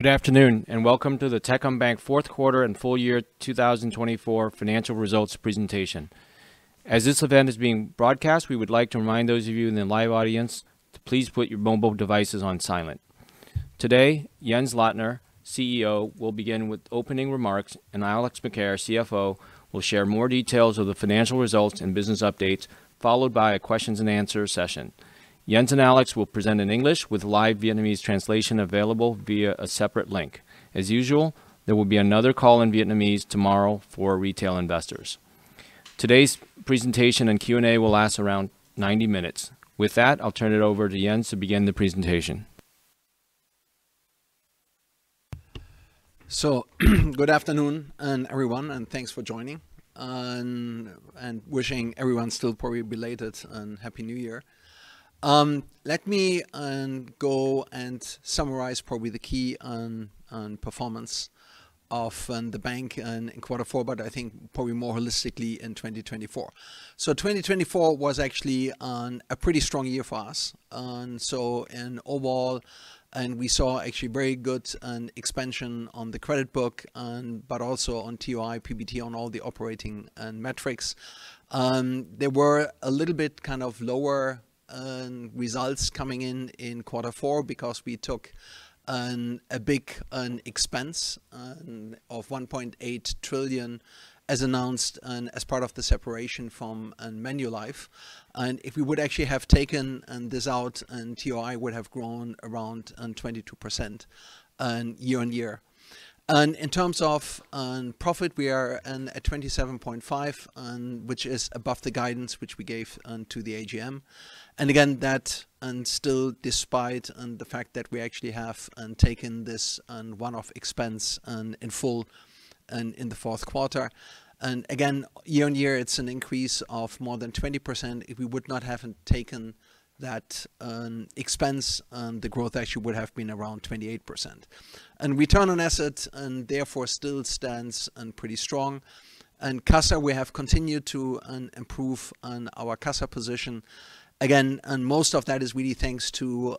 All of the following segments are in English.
Good afternoon, and welcome to the Techcombank Fourth Quarter and Full Year 2024 Financial Results Presentation. As this event is being broadcast, we would like to remind those of you in the live audience to please put your mobile devices on silent. Today, Jens Lottner, CEO, will begin with opening remarks, and Alex Macaire, CFO, will share more details of the financial results and business updates, followed by a questions and answers session. Jens and Alex will present in English with live Vietnamese translation available via a separate link. As usual, there will be another call in Vietnamese tomorrow for retail investors. Today's presentation and Q&A will last around 90 minutes. With that, I'll turn it over to Jens to begin the presentation. So, good afternoon, everyone, and thanks for joining, and wishing everyone still probably belated and happy New Year. Let me go and summarize probably the key performance of the bank in Quarter Four, but I think probably more holistically in 2024. So, 2024 was actually a pretty strong year for us. So, overall, we saw actually very good expansion on the credit book, but also on TOI, PBT, on all the operating metrics. There were a little bit kind of lower results coming in in Quarter Four because we took a big expense of 1.8 trillion, as announced, as part of the separation from Manulife. If we would actually have taken this out, TOI would have grown around 22% year on year. In terms of profit, we are at 27.5 trillion, which is above the guidance which we gave to the AGM. And again, that still despite the fact that we actually have taken this one-off expense in full in the fourth quarter. Again, year on year, it's an increase of more than 20%. If we would not have taken that expense, the growth actually would have been around 28%. Return on assets, therefore, still stands pretty strong. In CASA, we have continued to improve our CASA position. Again, most of that is really thanks to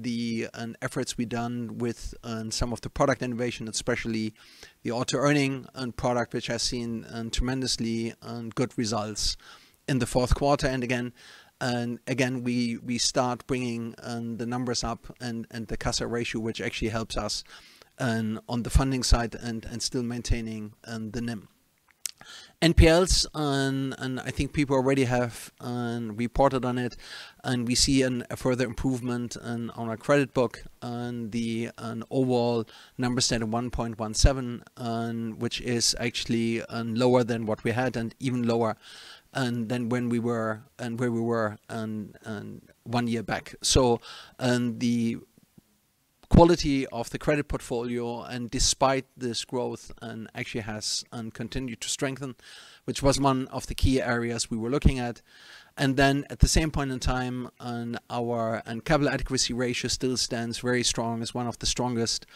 the efforts we've done with some of the product innovation, especially the auto-earning product, which has seen tremendously good results in the fourth quarter. And again, we start bringing the numbers up and the CASA ratio, which actually helps us on the funding side and still maintaining the NIM. NPLs, I think people already have reported on it, and we see a further improvement on our credit book. The overall number stands at 1.17, which is actually lower than what we had and even lower than when we were and where we were one year back, so the quality of the credit portfolio, despite this growth, actually has continued to strengthen, which was one of the key areas we were looking at, and then, at the same point in time, our Capital Adequacy Ratio still stands very strong, is one of the strongest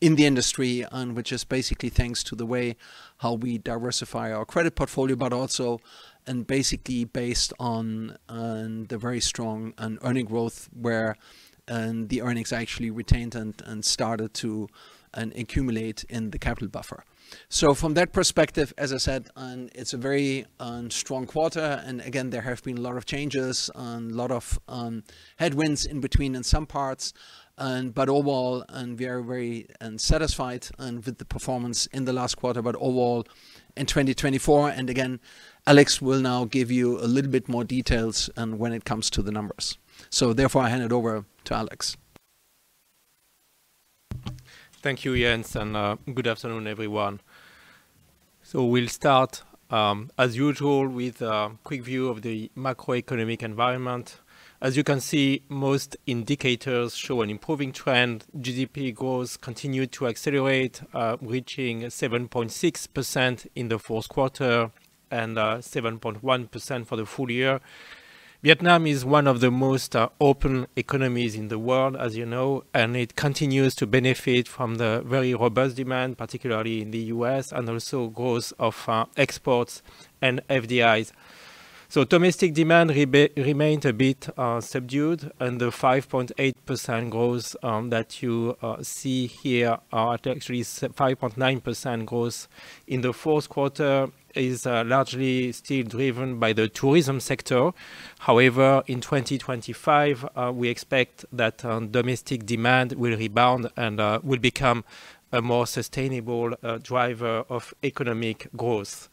in the industry, which is basically thanks to the way how we diversify our credit portfolio, but also basically based on the very strong earnings growth where the earnings actually retained and started to accumulate in the capital buffer, so from that perspective, as I said, it's a very strong quarter. And again, there have been a lot of changes and a lot of headwinds in between in some parts, but overall, we are very satisfied with the performance in the last quarter, but overall in 2024. And again, Alex will now give you a little bit more details when it comes to the numbers. So, therefore, I hand it over to Alex. Thank you, Jens, and good afternoon, everyone. So, we'll start, as usual, with a quick view of the macroeconomic environment. As you can see, most indicators show an improving trend. GDP growth continued to accelerate, reaching 7.6% in the fourth quarter and 7.1% for the full year. Vietnam is one of the most open economies in the world, as you know, and it continues to benefit from the very robust demand, particularly in the U.S., and also growth of exports and FDIs. So, domestic demand remained a bit subdued, and the 5.8% growth that you see here are actually 5.9% growth in the fourth quarter is largely still driven by the tourism sector. However, in 2025, we expect that domestic demand will rebound and will become a more sustainable driver of economic growth.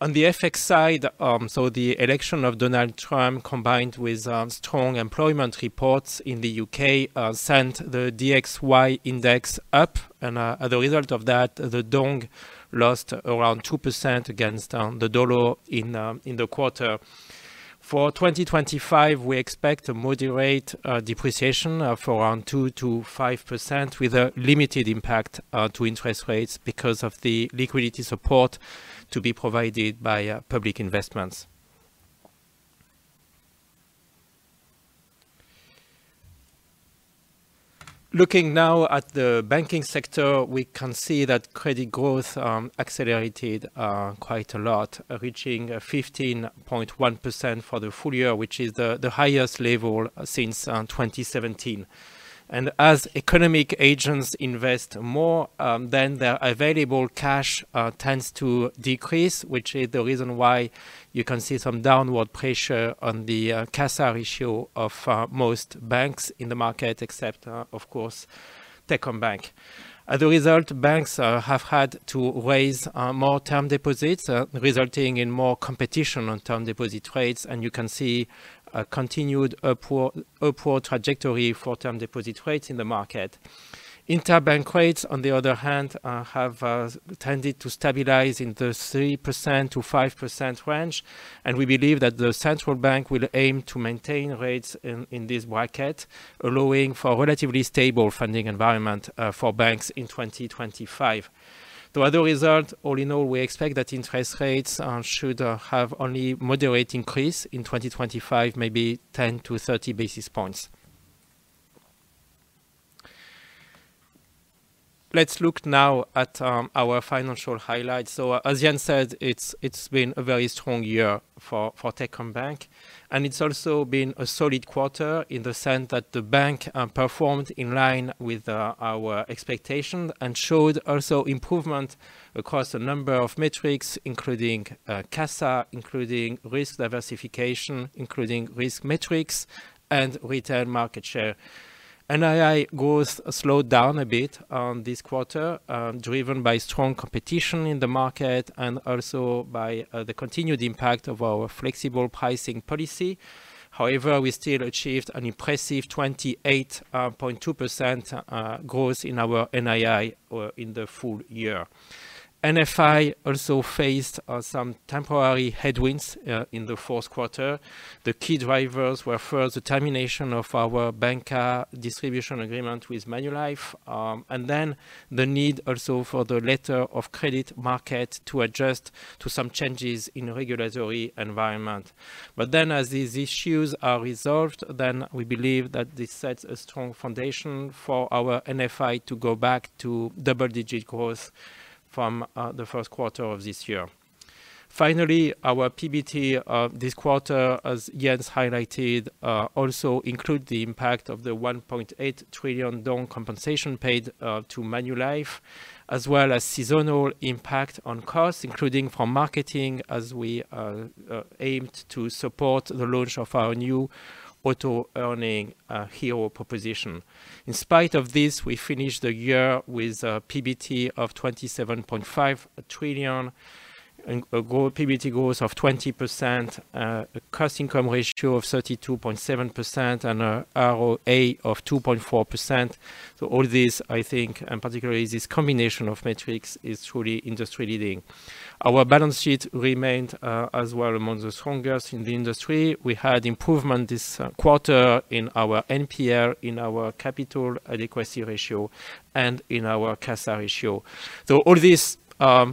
On the FX side, the election of Donald Trump, combined with strong employment reports in the UK, sent the DXY index up, and as a result of that, the Dong lost around 2% against the dollar in the quarter. For 2025, we expect a moderate depreciation for around 2%-5%, with a limited impact to interest rates because of the liquidity support to be provided by public investments. Looking now at the banking sector, we can see that credit growth accelerated quite a lot, reaching 15.1% for the full year, which is the highest level since 2017, and as economic agents invest more, then their available cash tends to decrease, which is the reason why you can see some downward pressure on the CASA ratio of most banks in the market, except, of course, Techcombank. As a result, banks have had to raise more term deposits, resulting in more competition on term deposit rates, and you can see a continued upward trajectory for term deposit rates in the market. Interbank rates, on the other hand, have tended to stabilize in the 3% to 5% range, and we believe that the central bank will aim to maintain rates in this bracket, allowing for a relatively stable funding environment for banks in 2025. So, as a result, all in all, we expect that interest rates should have only a moderate increase in 2025, maybe 10 to 30 basis points. Let's look now at our financial highlights. As Jens said, it's been a very strong year for Techcombank, and it's also been a solid quarter in the sense that the bank performed in line with our expectations and showed also improvement across a number of metrics, including CASA, including risk diversification, including risk metrics, and retail market share. NII growth slowed down a bit this quarter, driven by strong competition in the market and also by the continued impact of our flexible pricing policy. However, we still achieved an impressive 28.2% growth in our NII in the full year. NFI also faced some temporary headwinds in the fourth quarter. The key drivers were first the termination of our bancassurance distribution agreement with Manulife, and then the need also for the letter of credit market to adjust to some changes in the regulatory environment. But then, as these issues are resolved, then we believe that this sets a strong foundation for our NFI to go back to double-digit growth from the first quarter of this year. Finally, our PBT this quarter, as Jens highlighted, also included the impact of the 1.8 trillion dong compensation paid to Manulife, as well as seasonal impact on costs, including for marketing, as we aimed to support the launch of our new auto-earning hero proposition. In spite of this, we finished the year with a PBT of 27.5 trillion, a PBT growth of 20%, a cost-income ratio of 32.7%, and an ROA of 2.4%. So, all this, I think, and particularly this combination of metrics is truly industry-leading. Our balance sheet remained as well among the strongest in the industry. We had improvement this quarter in our NPL, in our capital adequacy ratio, and in our CASA ratio. All these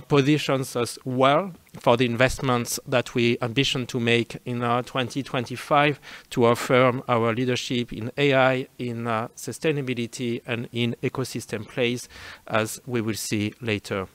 position us well for the investments that we ambition to make in 2025 to affirm our leadership in AI, in sustainability, and in ecosystem plays, as we will see later.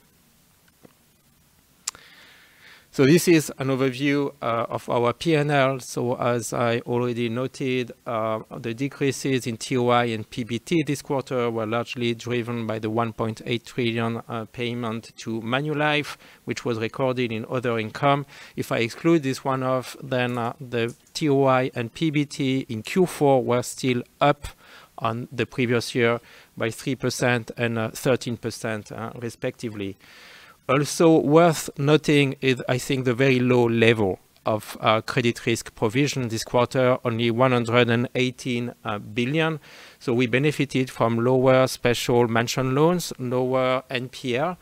This is an overview of our P&L. As I already noted, the decreases in TOI and PBT this quarter were largely driven by the 1.8 trillion payment to Manulife, which was recorded in other income. If I exclude this one-off, then the TOI and PBT in Q4 were still up on the previous year by 3% and 13%, respectively. Also, worth noting is, I think, the very low level of credit risk provision this quarter, only 118 billion. We benefited from lower special mention loans, lower NPL,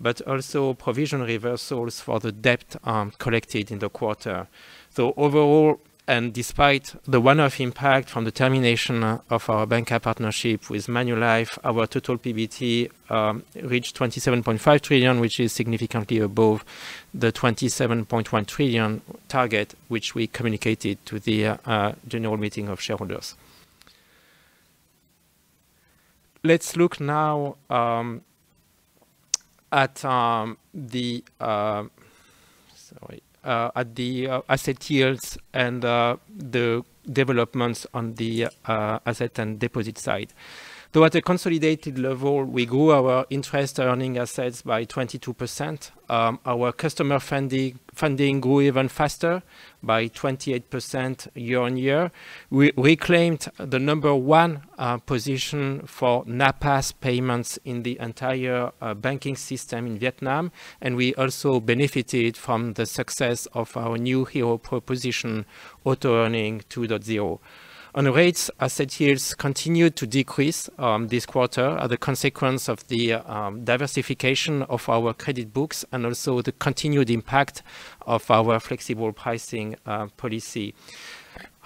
but also provision reversals for the debt collected in the quarter. So, overall, and despite the one-off impact from the termination of our bancassurance partnership with Manulife, our total PBT reached 27.5 trillion, which is significantly above the 27.1 trillion target, which we communicated to the General Meeting of Shareholders. Let's look now at the asset yields and the developments on the asset and deposit side. So, at a consolidated level, we grew our interest-earning assets by 22%. Our customer funding grew even faster by 28% year on year. We reclaimed the number one position for NAPAS payments in the entire banking system in Vietnam, and we also benefited from the success of our new hero proposition, auto-earning 2.0. On rates, asset yields continued to decrease this quarter as a consequence of the diversification of our credit books and also the continued impact of our flexible pricing policy.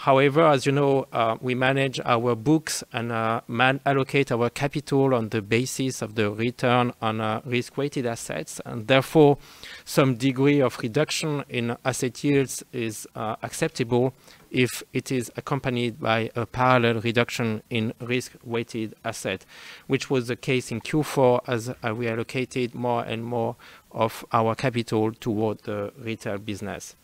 However, as you know, we manage our books and allocate our capital on the basis of the return on risk-weighted assets, and therefore, some degree of reduction in asset yields is acceptable if it is accompanied by a parallel reduction in risk-weighted assets, which was the case in Q4 as we allocated more and more of our capital toward the retail business.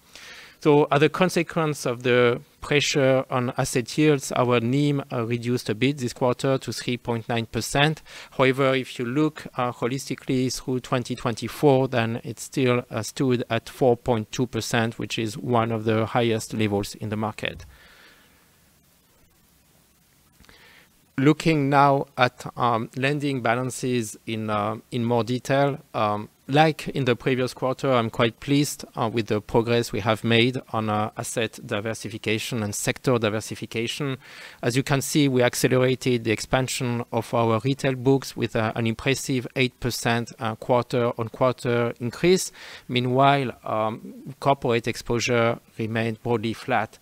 So, as a consequence of the pressure on asset yields, our NIM reduced a bit this quarter to 3.9%. However, if you look holistically through 2024, then it still stood at 4.2%, which is one of the highest levels in the market. Looking now at lending balances in more detail, like in the previous quarter, I'm quite pleased with the progress we have made on asset diversification and sector diversification. As you can see, we accelerated the expansion of our retail books with an impressive 8% quarter-on-quarter increase. Meanwhile, corporate exposure remained broadly flat.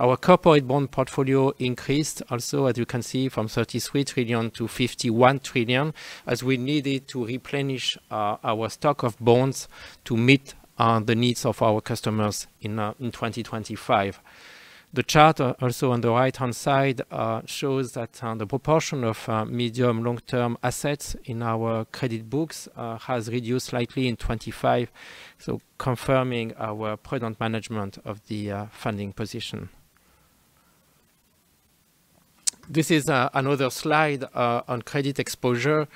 Our corporate bond portfolio increased also, as you can see, from 33 trillion to 51 trillion, as we needed to replenish our stock of bonds to meet the needs of our customers in 2025. The chart also on the right-hand side shows that the proportion of medium-long-term assets in our credit books has reduced slightly in 2025, so confirming our present management of the funding position. This is another slide on credit exposure.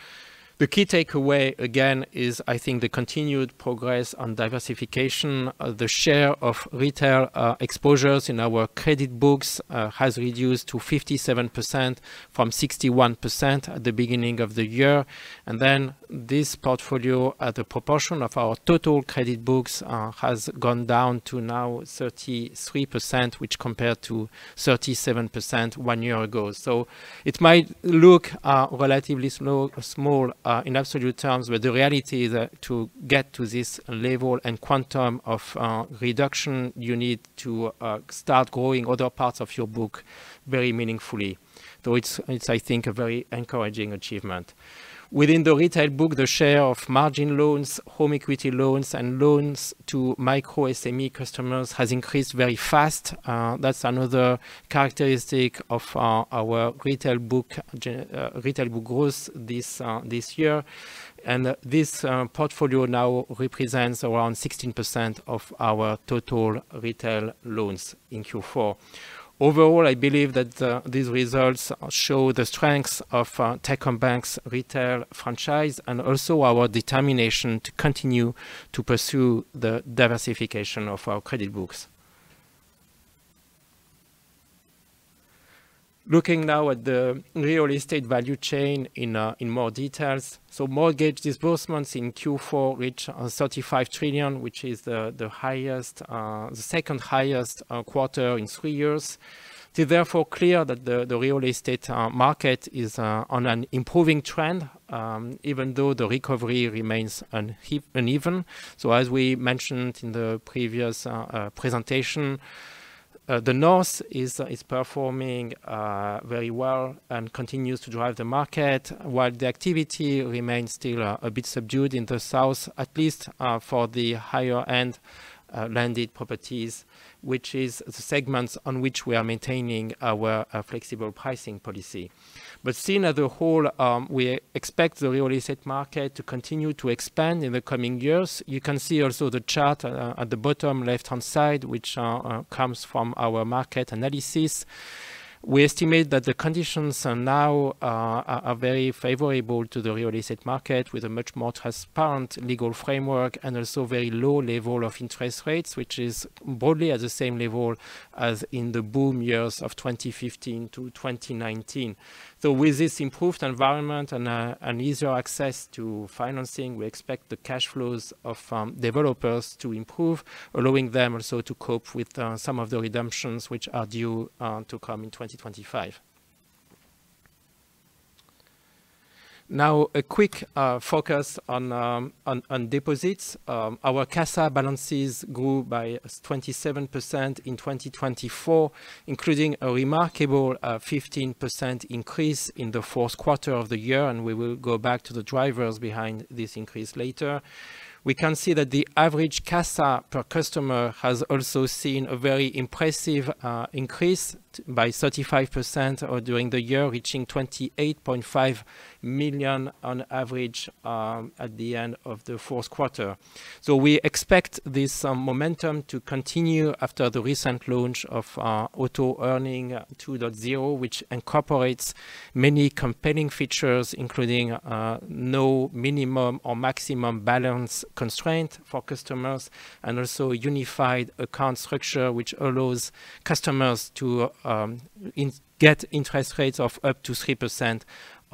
The key takeaway, again, is, I think, the continued progress on diversification. The share of retail exposures in our credit books has reduced to 57% from 61% at the beginning of the year. Then this portfolio, the proportion of our total credit books, has gone down to now 33%, which compared to 37% one year ago. So, it might look relatively small in absolute terms, but the reality is that to get to this level and quantum of reduction, you need to start growing other parts of your book very meaningfully. So, it's, I think, a very encouraging achievement. Within the retail book, the share of margin loans, home equity loans, and loans to micro-SME customers has increased very fast. That's another characteristic of our retail book growth this year. And this portfolio now represents around 16% of our total retail loans in Q4. Overall, I believe that these results show the strengths of Techcombank's retail franchise and also our determination to continue to pursue the diversification of our credit books. Looking now at the real estate value chain in more details, so mortgage disbursements in Q4 reached 35 trillion, which is the second highest quarter in three years. It is therefore clear that the real estate market is on an improving trend, even though the recovery remains uneven. So, as we mentioned in the previous presentation, the North is performing very well and continues to drive the market, while the activity remains still a bit subdued in the South, at least for the higher-end landed properties, which is the segments on which we are maintaining our flexible pricing policy. But still, as a whole, we expect the real estate market to continue to expand in the coming years. You can see also the chart at the bottom left-hand side, which comes from our market analysis. We estimate that the conditions now are very favorable to the real estate market, with a much more transparent legal framework and also a very low level of interest rates, which is broadly at the same level as in the boom years of 2015 to 2019, so with this improved environment and easier access to financing, we expect the cash flows of developers to improve, allowing them also to cope with some of the redemptions which are due to come in 2025. Now, a quick focus on deposits. Our Kassa balances grew by 27% in 2024, including a remarkable 15% increase in the fourth quarter of the year, and we will go back to the drivers behind this increase later. We can see that the average Kassa per customer has also seen a very impressive increase by 35% during the year, reaching 28.5 million on average at the end of the fourth quarter. So, we expect this momentum to continue after the recent launch of auto-earning 2.0, which incorporates many compelling features, including no minimum or maximum balance constraint for customers, and also a unified account structure which allows customers to get interest rates of up to 3%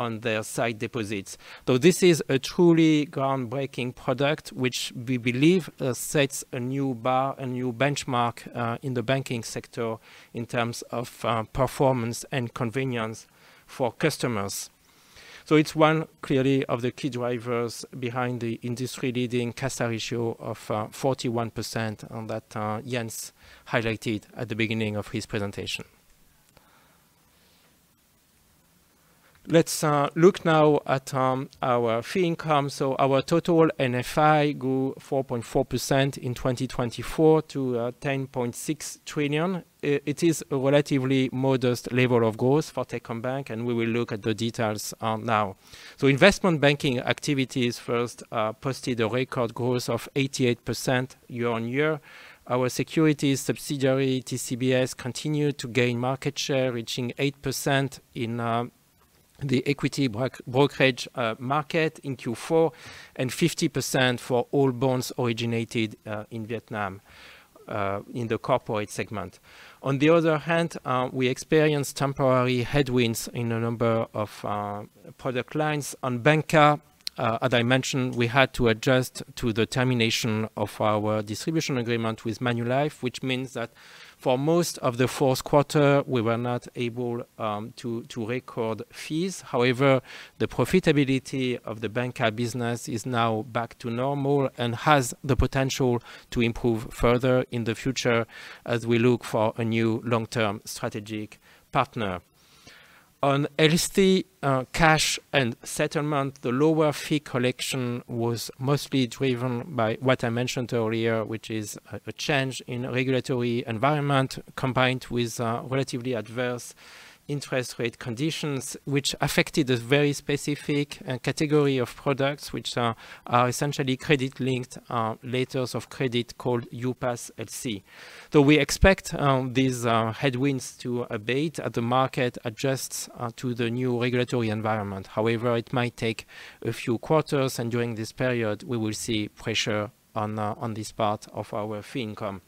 on their side deposits. So, this is a truly groundbreaking product which we believe sets a new bar, a new benchmark in the banking sector in terms of performance and convenience for customers. So, it's one clearly of the key drivers behind the industry-leading Kassa ratio of 41% that Jens highlighted at the beginning of his presentation. Let's look now at our fee income. Our total NFI grew 4.4% in 2024 to 10.6 trillion. It is a relatively modest level of growth for Techcombank, and we will look at the details now. Investment banking activities first posted a record growth of 88% year on year. Our securities subsidiary, TCBS, continued to gain market share, reaching 8% in the equity brokerage market in Q4 and 50% for all bonds originated in Vietnam in the corporate segment. On the other hand, we experienced temporary headwinds in a number of product lines. On bancassurance, as I mentioned, we had to adjust to the termination of our distribution agreement with Manulife, which means that for most of the fourth quarter, we were not able to record fees. However, the profitability of the bancassurance business is now back to normal and has the potential to improve further in the future as we look for a new long-term strategic partner. On LST cash and settlement, the lower fee collection was mostly driven by what I mentioned earlier, which is a change in regulatory environment combined with relatively adverse interest rate conditions, which affected a very specific category of products, which are essentially credit-linked letters of credit called UPAS LC. So, we expect these headwinds to abate as the market adjusts to the new regulatory environment. However, it might take a few quarters, and during this period, we will see pressure on this part of our fee income.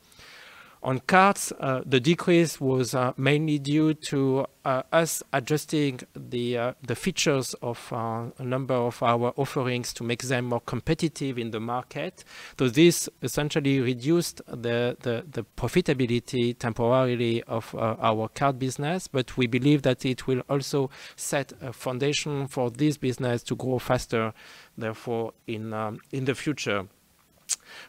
On cards, the decrease was mainly due to us adjusting the features of a number of our offerings to make them more competitive in the market. So, this essentially reduced the profitability temporarily of our card business, but we believe that it will also set a foundation for this business to grow faster therefore in the future.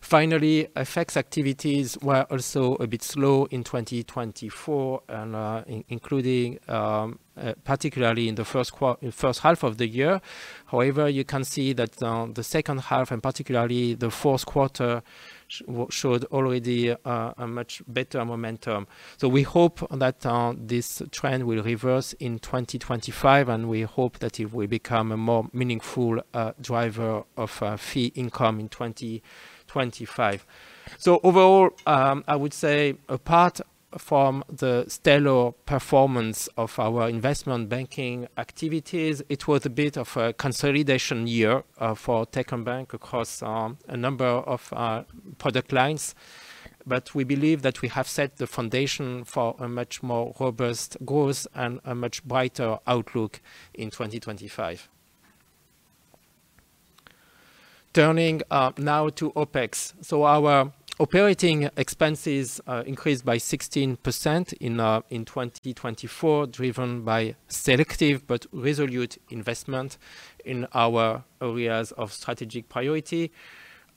Finally, FX activities were also a bit slow in 2024, including particularly in the first half of the year. However, you can see that the second half, and particularly the fourth quarter, showed already a much better momentum. So, we hope that this trend will reverse in 2025, and we hope that it will become a more meaningful driver of fee income in 2025. So, overall, I would say apart from the stellar performance of our investment banking activities, it was a bit of a consolidation year for Techcombank across a number of product lines. But we believe that we have set the foundation for a much more robust growth and a much brighter outlook in 2025. Turning now to OpEx, so our operating expenses increased by 16% in 2024, driven by selective but resolute investment in our areas of strategic priority.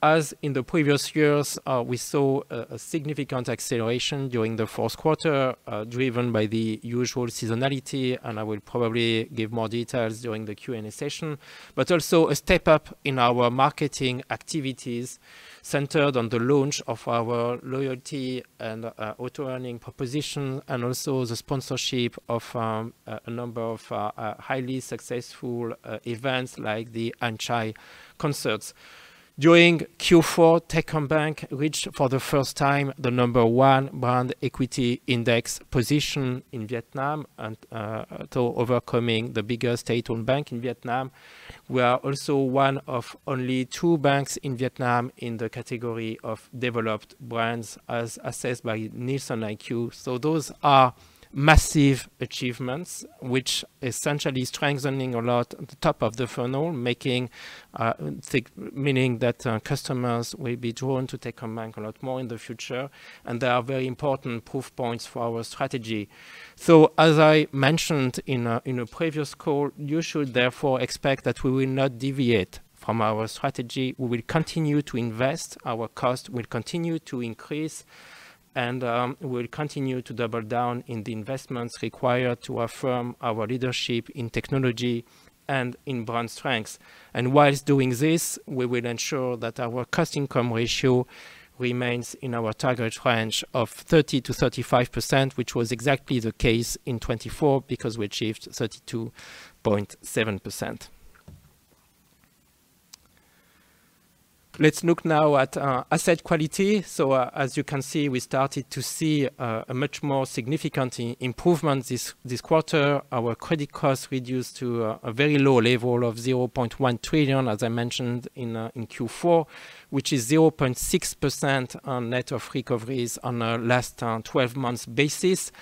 As in the previous years, we saw a significant acceleration during the fourth quarter, driven by the usual seasonality, and I will probably give more details during the Q&A session, but also a step up in our marketing activities centered on the launch of our loyalty and Auto-earning proposition, and also the sponsorship of a number of highly successful events like the Anchai Concerts. During Q4, Techcombank reached for the first time the number one Brand Equity Index position in Vietnam, and so overcoming the biggest state-owned bank in Vietnam. We are also one of only two banks in Vietnam in the category of developed brands, as assessed by NielsenIQ. Those are massive achievements, which essentially strengthen a lot at the top of the funnel, meaning that customers will be drawn to Techcombank a lot more in the future, and they are very important proof points for our strategy. As I mentioned in a previous call, you should therefore expect that we will not deviate from our strategy. We will continue to invest. Our cost will continue to increase, and we will continue to double down in the investments required to affirm our leadership in technology and in brand strength. Whilst doing this, we will ensure that our cost-income ratio remains in our target range of 30%-35%, which was exactly the case in 2024 because we achieved 32.7%. Let's look now at asset quality. As you can see, we started to see a much more significant improvement this quarter. Our credit costs reduced to a very low level of 0.1 trillion, as I mentioned in Q4, which is 0.6% on net of recoveries on a last 12-month basis.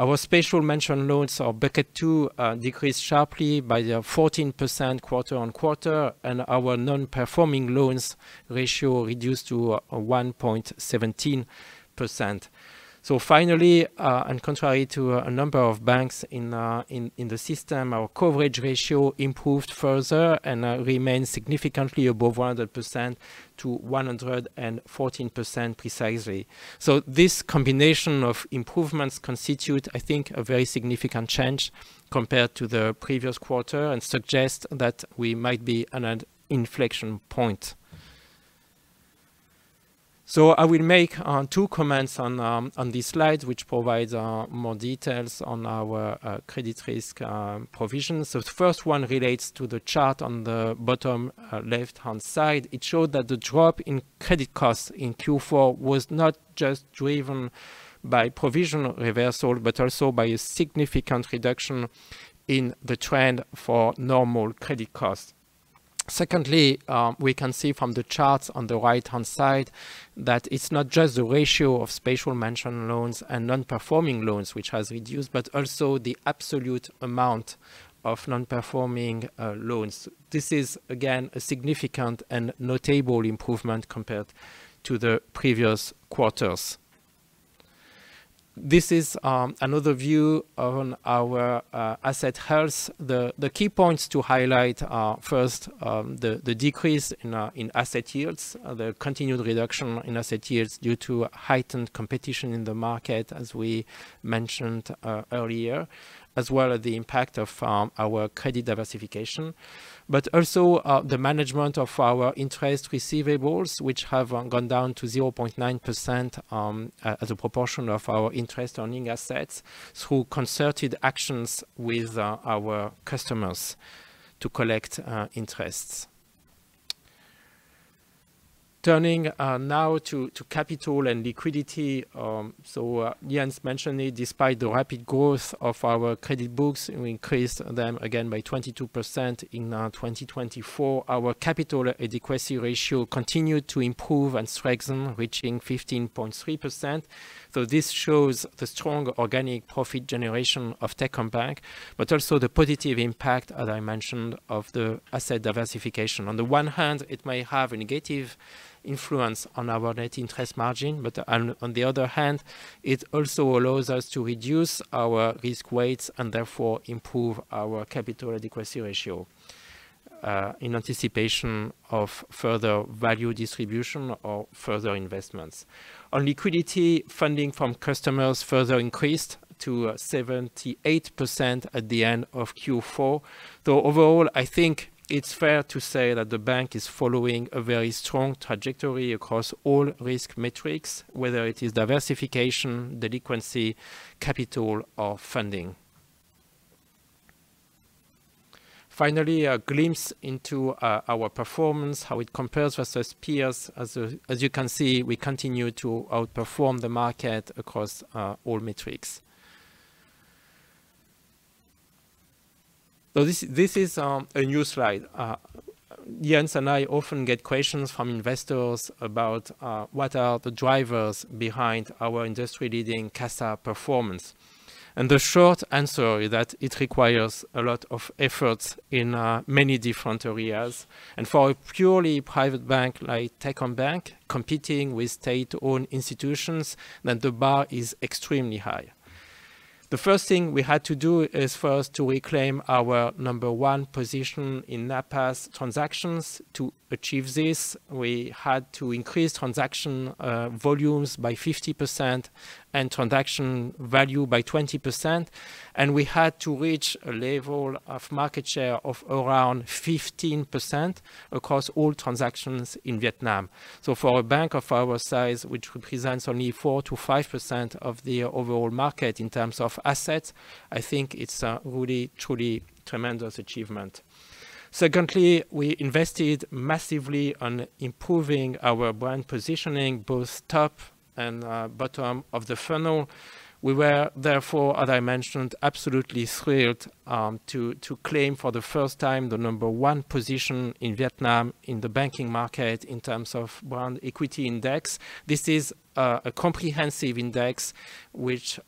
Our special mention loans, our bucket two, decreased sharply by 14% quarter on quarter, and our non-performing loans ratio reduced to 1.17%. So, finally, and contrary to a number of banks in the system, our coverage ratio improved further and remained significantly above 100% to 114% precisely. So, this combination of improvements constitutes, I think, a very significant change compared to the previous quarter and suggests that we might be on an inflection point. So, I will make two comments on these slides, which provide more details on our credit risk provision. So, the first one relates to the chart on the bottom left-hand side. It showed that the drop in credit costs in Q4 was not just driven by provision reversal, but also by a significant reduction in the trend for normal credit costs. Secondly, we can see from the charts on the right-hand side that it's not just the ratio of special mention loans and non-performing loans, which has reduced, but also the absolute amount of non-performing loans. This is, again, a significant and notable improvement compared to the previous quarters. This is another view on our asset health. The key points to highlight are first the decrease in asset yields, the continued reduction in asset yields due to heightened competition in the market, as we mentioned earlier, as well as the impact of our credit diversification, but also the management of our interest receivables, which have gone down to 0.9% as a proportion of our interest earning assets through concerted actions with our customers to collect interests. Turning now to capital and liquidity. So, Jens mentioned it, despite the rapid growth of our credit books, we increased them again by 22% in 2024. Our capital adequacy ratio continued to improve and strengthen, reaching 15.3%. So, this shows the strong organic profit generation of Techcombank, but also the positive impact, as I mentioned, of the asset diversification. On the one hand, it may have a negative influence on our net interest margin, but on the other hand, it also allows us to reduce our risk weights and therefore improve our capital adequacy ratio in anticipation of further value distribution or further investments. On liquidity, funding from customers further increased to 78% at the end of Q4. So, overall, I think it's fair to say that the bank is following a very strong trajectory across all risk metrics, whether it is diversification, delinquency, capital, or funding. Finally, a glimpse into our performance, how it compares versus peers. As you can see, we continue to outperform the market across all metrics. So, this is a new slide. Jens and I often get questions from investors about what are the drivers behind our industry-leading Kassa performance. The short answer is that it requires a lot of efforts in many different areas. For a purely private bank like Techcombank competing with state-owned institutions, the bar is extremely high. The first thing we had to do is first to reclaim our number one position in NAPAS's transactions. To achieve this, we had to increase transaction volumes by 50% and transaction value by 20%. We had to reach a level of market share of around 15% across all transactions in Vietnam. For a bank of our size, which represents only 4%-5% of the overall market in terms of assets, I think it's a really, truly tremendous achievement. Secondly, we invested massively on improving our brand positioning, both top and bottom of the funnel. We were therefore, as I mentioned, absolutely thrilled to claim for the first time the number one position in Vietnam in the banking market in terms of Brand Equity Index. This is a comprehensive index which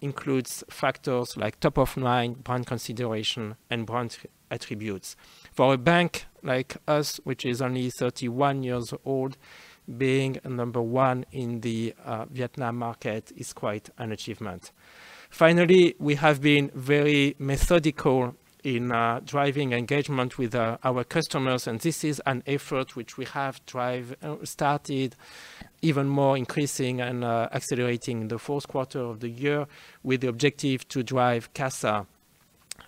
includes factors like top-of-mind brand consideration and brand attributes. For a bank like us, which is only 31 years old, being number one in the Vietnam market is quite an achievement. Finally, we have been very methodical in driving engagement with our customers, and this is an effort which we have started even more increasing and accelerating in the fourth quarter of the year with the objective to drive CASA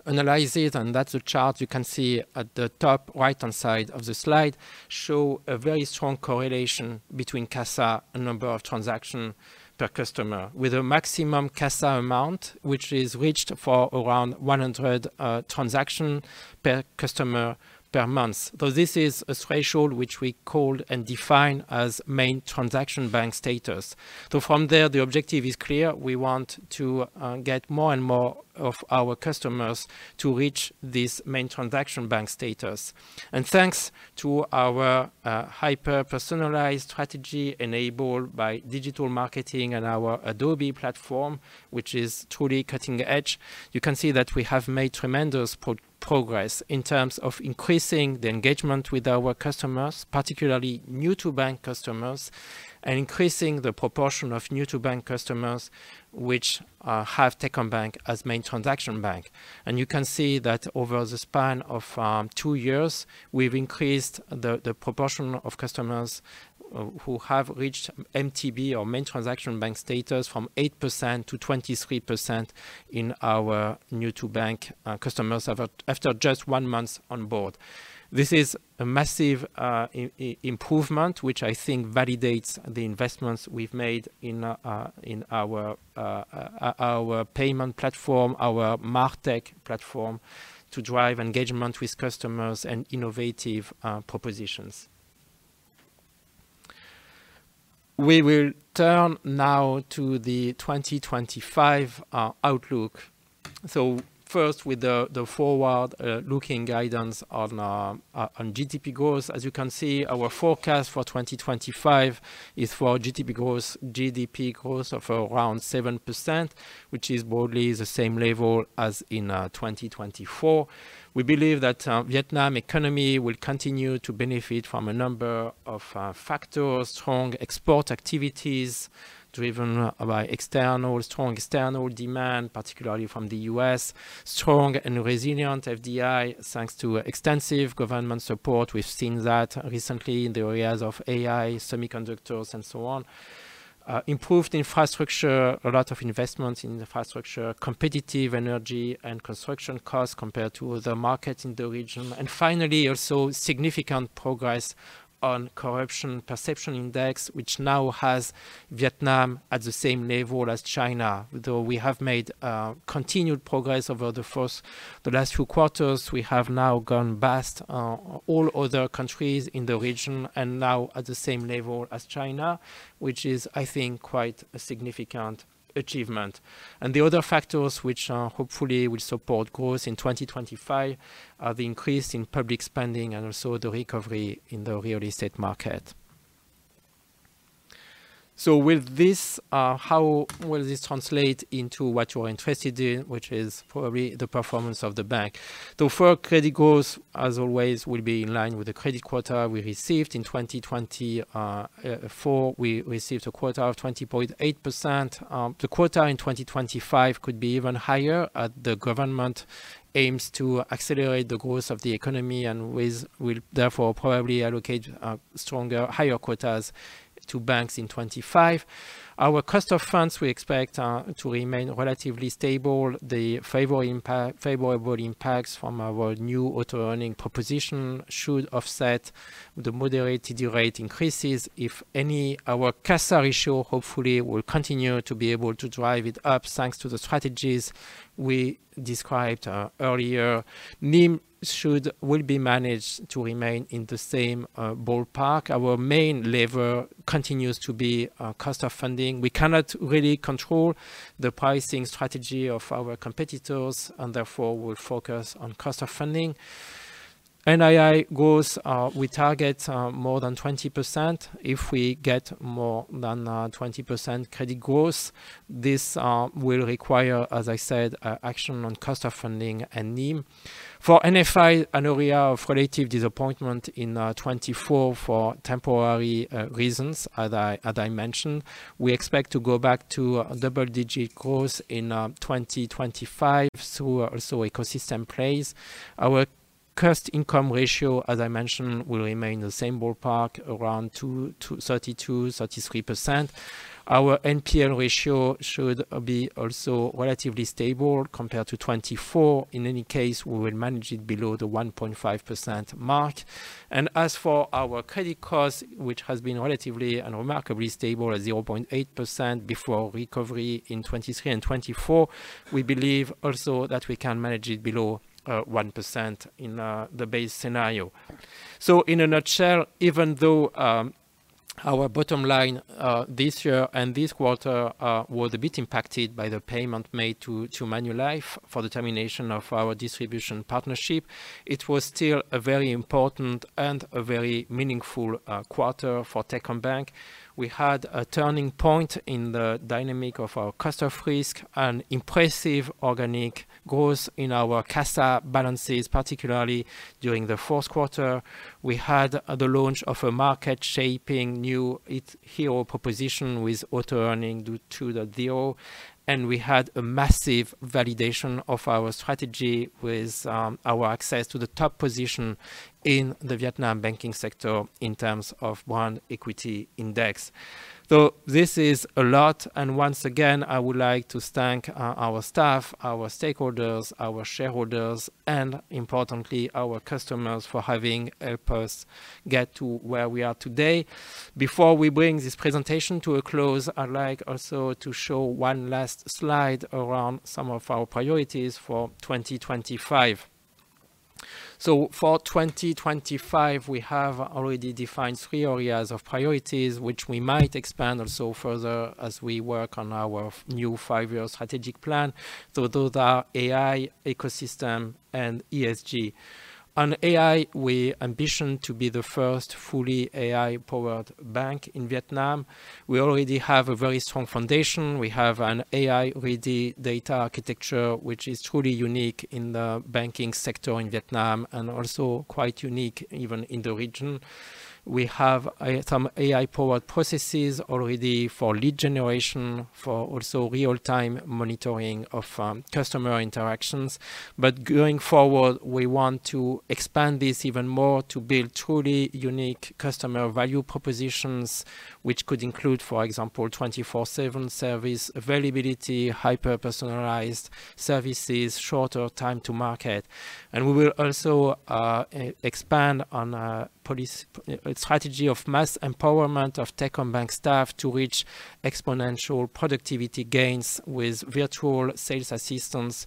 analysis. That's a chart you can see at the top right-hand side of the slide shows a very strong correlation between CASA and number of transactions per customer, with a maximum CASA amount which is reached for around 100 transactions per customer per month. This is a threshold which we called and defined as main transaction bank status. From there, the objective is clear. We want to get more and more of our customers to reach this main transaction bank status. Thanks to our hyper-personalized strategy enabled by digital marketing and our Adobe platform, which is truly cutting edge, you can see that we have made tremendous progress in terms of increasing the engagement with our customers, particularly new-to-bank customers, and increasing the proportion of new-to-bank customers which have Techcombank as main transaction bank. And you can see that over the span of two years, we've increased the proportion of customers who have reached MTB or main transaction bank status from 8% to 23% in our new-to-bank customers after just one month on board. This is a massive improvement, which I think validates the investments we've made in our payment platform, our MarTech platform, to drive engagement with customers and innovative propositions. We will turn now to the 2025 outlook. So, first, with the forward-looking guidance on GDP growth, as you can see, our forecast for 2025 is for GDP growth of around 7%, which is broadly the same level as in 2024. We believe that the Vietnam economy will continue to benefit from a number of factors: strong export activities driven by strong external demand, particularly from the U.S., strong and resilient FDI, thanks to extensive government support. We've seen that recently in the areas of AI, semiconductors, and so on, improved infrastructure, a lot of investments in infrastructure, competitive energy and construction costs compared to other markets in the region, and finally, also significant progress on Corruption Perceptions Index, which now has Vietnam at the same level as China. Though we have made continued progress over the last few quarters, we have now gone past all other countries in the region and now at the same level as China, which is, I think, quite a significant achievement, and the other factors which hopefully will support growth in 2025 are the increase in public spending and also the recovery in the real estate market. So, with this, how will this translate into what you're interested in, which is probably the performance of the bank? For credit growth, as always, we'll be in line with the credit quota we received in 2024. We received a quota of 20.8%. The quota in 2025 could be even higher as the government aims to accelerate the growth of the economy and will therefore probably allocate stronger, higher quotas to banks in 2025. Our cost of funds, we expect to remain relatively stable. The favorable impacts from our new Auto-earning proposition should offset the moderate TD rate increases, if any. Our Kassa ratio hopefully will continue to be able to drive it up thanks to the strategies we described earlier. NIM should, will be managed to remain in the same ballpark. Our main lever continues to be cost of funding. We cannot really control the pricing strategy of our competitors and therefore will focus on cost of funding. NII growth, we target more than 20%. If we get more than 20% credit growth, this will require, as I said, action on cost of funding and NIM. For NFI, an area of relative disappointment in 2024 for temporary reasons, as I mentioned, we expect to go back to double-digit growth in 2025 through also ecosystem plays. Our cost income ratio, as I mentioned, will remain in the same ballpark, around 32%, 33%. Our NPL ratio should be also relatively stable compared to 2024. In any case, we will manage it below the 1.5% mark. And as for our credit costs, which has been relatively and remarkably stable at 0.8% before recovery in 2023 and 2024, we believe also that we can manage it below 1% in the base scenario. In a nutshell, even though our bottom line this year and this quarter was a bit impacted by the payment made to Manulife for the termination of our distribution partnership, it was still a very important and a very meaningful quarter for Techcombank. We had a turning point in the dynamic of our cost of risk and impressive organic growth in our Kassa balances, particularly during the fourth quarter. We had the launch of a market-shaping new hero proposition with Auto-earning due to the deal, and we had a massive validation of our strategy with our access to the top position in the Vietnam banking sector in terms of Brand Equity Index. This is a lot. Once again, I would like to thank our staff, our stakeholders, our shareholders, and importantly, our customers for having helped us get to where we are today. Before we bring this presentation to a close, I'd like also to show one last slide around some of our priorities for 2025. So, for 2025, we have already defined three areas of priorities, which we might expand also further as we work on our new five-year strategic plan. So, those are AI, ecosystem, and ESG. On AI, we ambition to be the first fully AI-powered bank in Vietnam. We already have a very strong foundation. We have an AI-ready data architecture, which is truly unique in the banking sector in Vietnam and also quite unique even in the region. We have some AI-powered processes already for lead generation, for also real-time monitoring of customer interactions. But going forward, we want to expand this even more to build truly unique customer value propositions, which could include, for example, 24/7 service availability, hyper-personalized services, shorter time to market. We will also expand on a strategy of mass empowerment of Techcombank staff to reach exponential productivity gains with virtual sales assistants,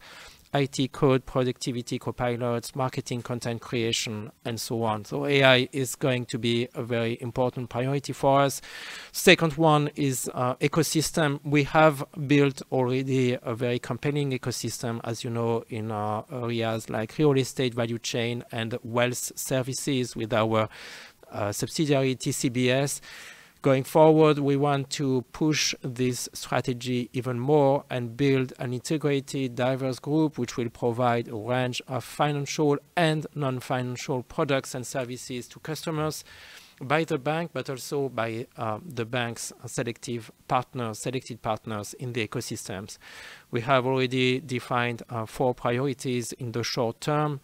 IT code productivity, copilots, marketing content creation, and so on. AI is going to be a very important priority for us. The second one is ecosystem. We have built already a very compelling ecosystem, as you know, in areas like real estate, value chain, and wealth services with our subsidiary TCBS. Going forward, we want to push this strategy even more and build an integrated diverse group, which will provide a range of financial and non-financial products and services to customers by the bank, but also by the bank's selected partners in the ecosystems. We have already defined four priorities in the short term,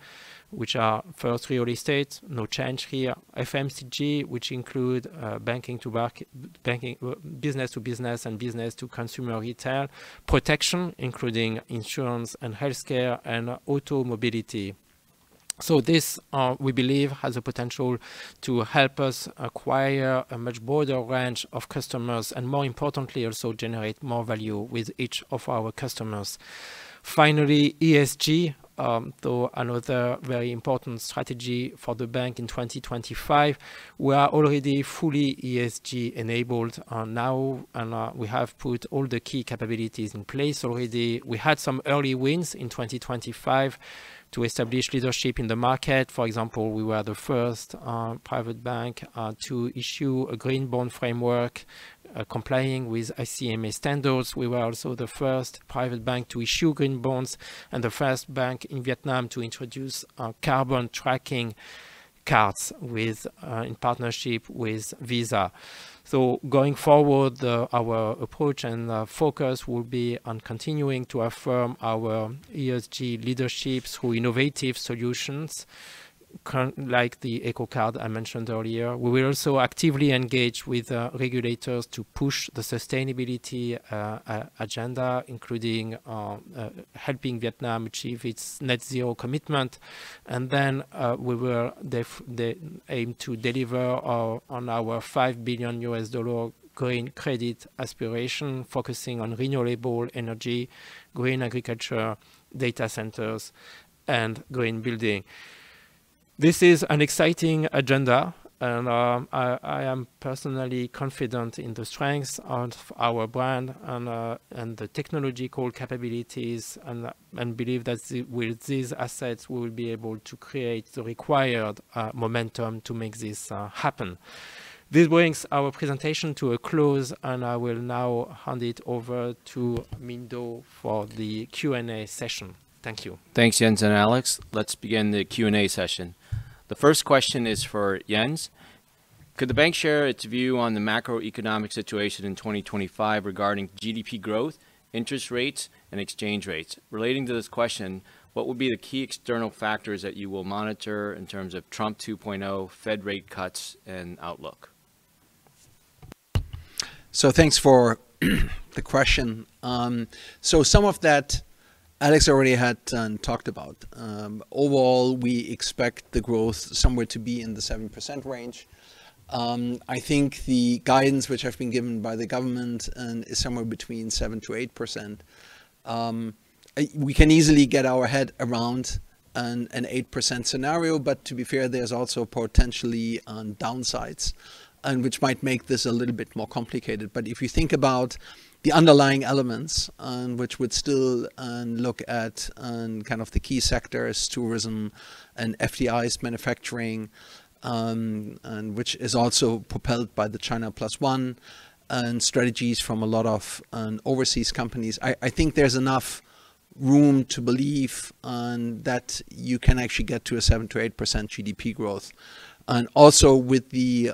which are first real estate, no change here, FMCG, which includes banking to banking, business to business, and business to consumer retail, protection, including insurance and healthcare and automobility. So, this we believe has the potential to help us acquire a much broader range of customers and, more importantly, also generate more value with each of our customers. Finally, ESG, though another very important strategy for the bank in 2025. We are already fully ESG-enabled now, and we have put all the key capabilities in place already. We had some early wins in 2025 to establish leadership in the market. For example, we were the first private bank to issue a green bond framework complying with ICMA standards. We were also the first private bank to issue green bonds and the first bank in Vietnam to introduce carbon tracking cards in partnership with Visa, so going forward, our approach and focus will be on continuing to affirm our ESG leadership through innovative solutions like the Eco Card I mentioned earlier. We will also actively engage with regulators to push the sustainability agenda, including helping Vietnam achieve its net zero commitment, and then we will aim to deliver on our $5 billion USD green credit aspiration, focusing on renewable energy, green agriculture, data centers, and green building. This is an exciting agenda, and I am personally confident in the strengths of our brand and the technological capabilities, and believe that with these assets, we will be able to create the required momentum to make this happen. This brings our presentation to a close, and I will now hand it over to Minh Do for the Q&A session. Thank you. Thanks, Jens and Alex. Let's begin the Q&A session. The first question is for Jens. Could the bank share its view on the macroeconomic situation in 2025 regarding GDP growth, interest rates, and exchange rates? Relating to this question, what would be the key external factors that you will monitor in terms of Trump 2.0, Fed rate cuts, and outlook? So, thanks for the question. So, some of that Alex already had talked about. Overall, we expect the growth somewhere to be in the 7% range. I think the guidance which has been given by the government is somewhere between 7% to 8%. We can easily get our head around an 8% scenario, but to be fair, there's also potentially downsides, which might make this a little bit more complicated. But if you think about the underlying elements, which would still look at kind of the key sectors, tourism and FDIs, manufacturing, which is also propelled by the China Plus One and strategies from a lot of overseas companies, I think there's enough room to believe that you can actually get to a 7%-8% GDP growth. And also with the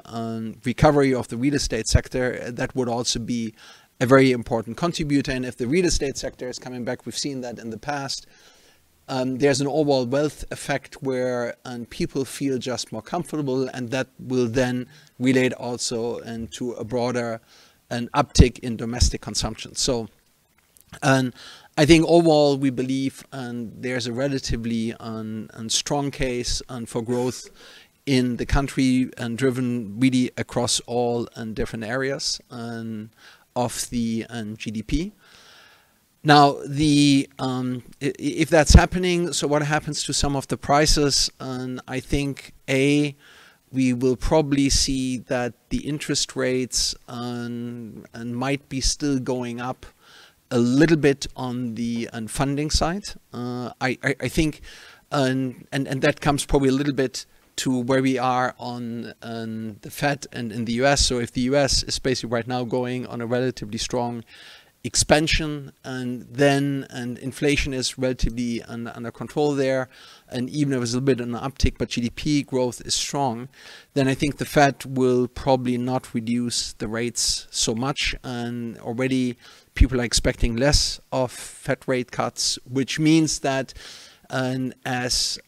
recovery of the real estate sector, that would also be a very important contributor. And if the real estate sector is coming back, we've seen that in the past, there's an overall wealth effect where people feel just more comfortable, and that will then relate also to a broader uptick in domestic consumption. I think overall, we believe there's a relatively strong case for growth in the country and driven really across all different areas of the GDP. Now, if that's happening, so what happens to some of the prices? I think, A, we will probably see that the interest rates might be still going up a little bit on the funding side. I think, and that comes probably a little bit to where we are on the Fed and in the U.S. If the U.S. is basically right now going on a relatively strong expansion and then inflation is relatively under control there, and even if it's a little bit of an uptick, but GDP growth is strong, then I think the Fed will probably not reduce the rates so much. Already, people are expecting less of Fed rate cuts, which means that, as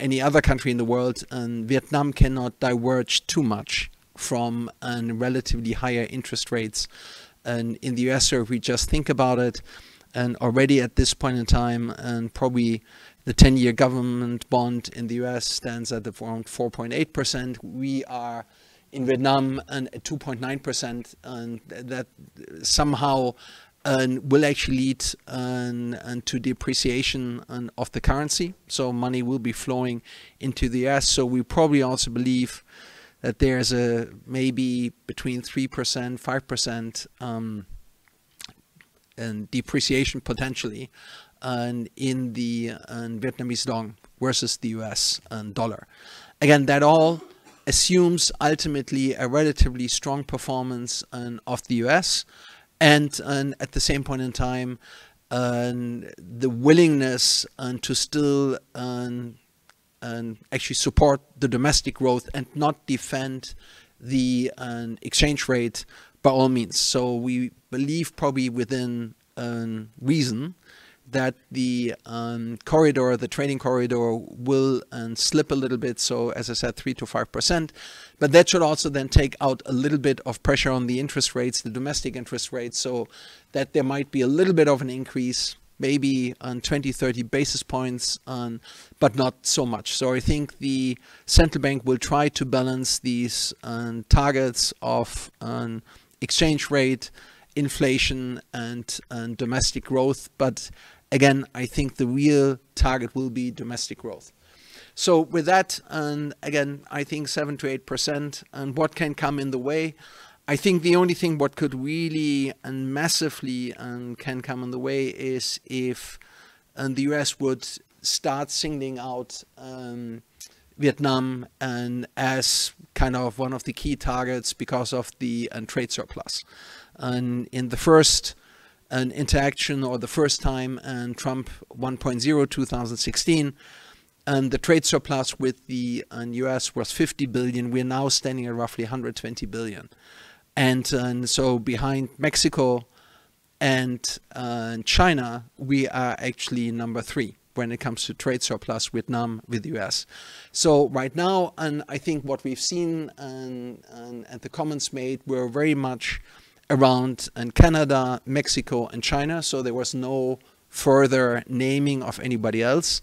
any other country in the world, Vietnam cannot diverge too much from relatively higher interest rates in the U.S. If we just think about it, and already at this point in time, and probably the 10-year government bond in the U.S. stands at around 4.8%, we are in Vietnam at 2.9%. That somehow will actually lead to depreciation of the currency. Money will be flowing into the U.S. We probably also believe that there's maybe between 3%-5% depreciation potentially in the Vietnamese dong versus the U.S. dollar. Again, that all assumes ultimately a relatively strong performance of the U.S. At the same point in time, the willingness to still actually support the domestic growth and not defend the exchange rate by all means. We believe probably within reason that the corridor, the trading corridor will slip a little bit, so as I said, 3%-5%. But that should also then take out a little bit of pressure on the interest rates, the domestic interest rates, so that there might be a little bit of an increase, maybe on 20-30 basis points, but not so much. I think the central bank will try to balance these targets of exchange rate, inflation, and domestic growth, but again, I think the real target will be domestic growth. With that, again, I think 7%-8% and what can come in the way. I think the only thing what could really and massively can come in the way is if the U.S. would start singling out Vietnam as kind of one of the key targets because of the trade surplus. In the first interaction or the first time, Trump 1.0, 2016, the trade surplus with the U.S. was $50 billion. We're now standing at roughly $120 billion. And so, behind Mexico and China, we are actually number three when it comes to trade surplus Vietnam with the U.S. So, right now, I think what we've seen and the comments made were very much around Canada, Mexico, and China. So, there was no further naming of anybody else,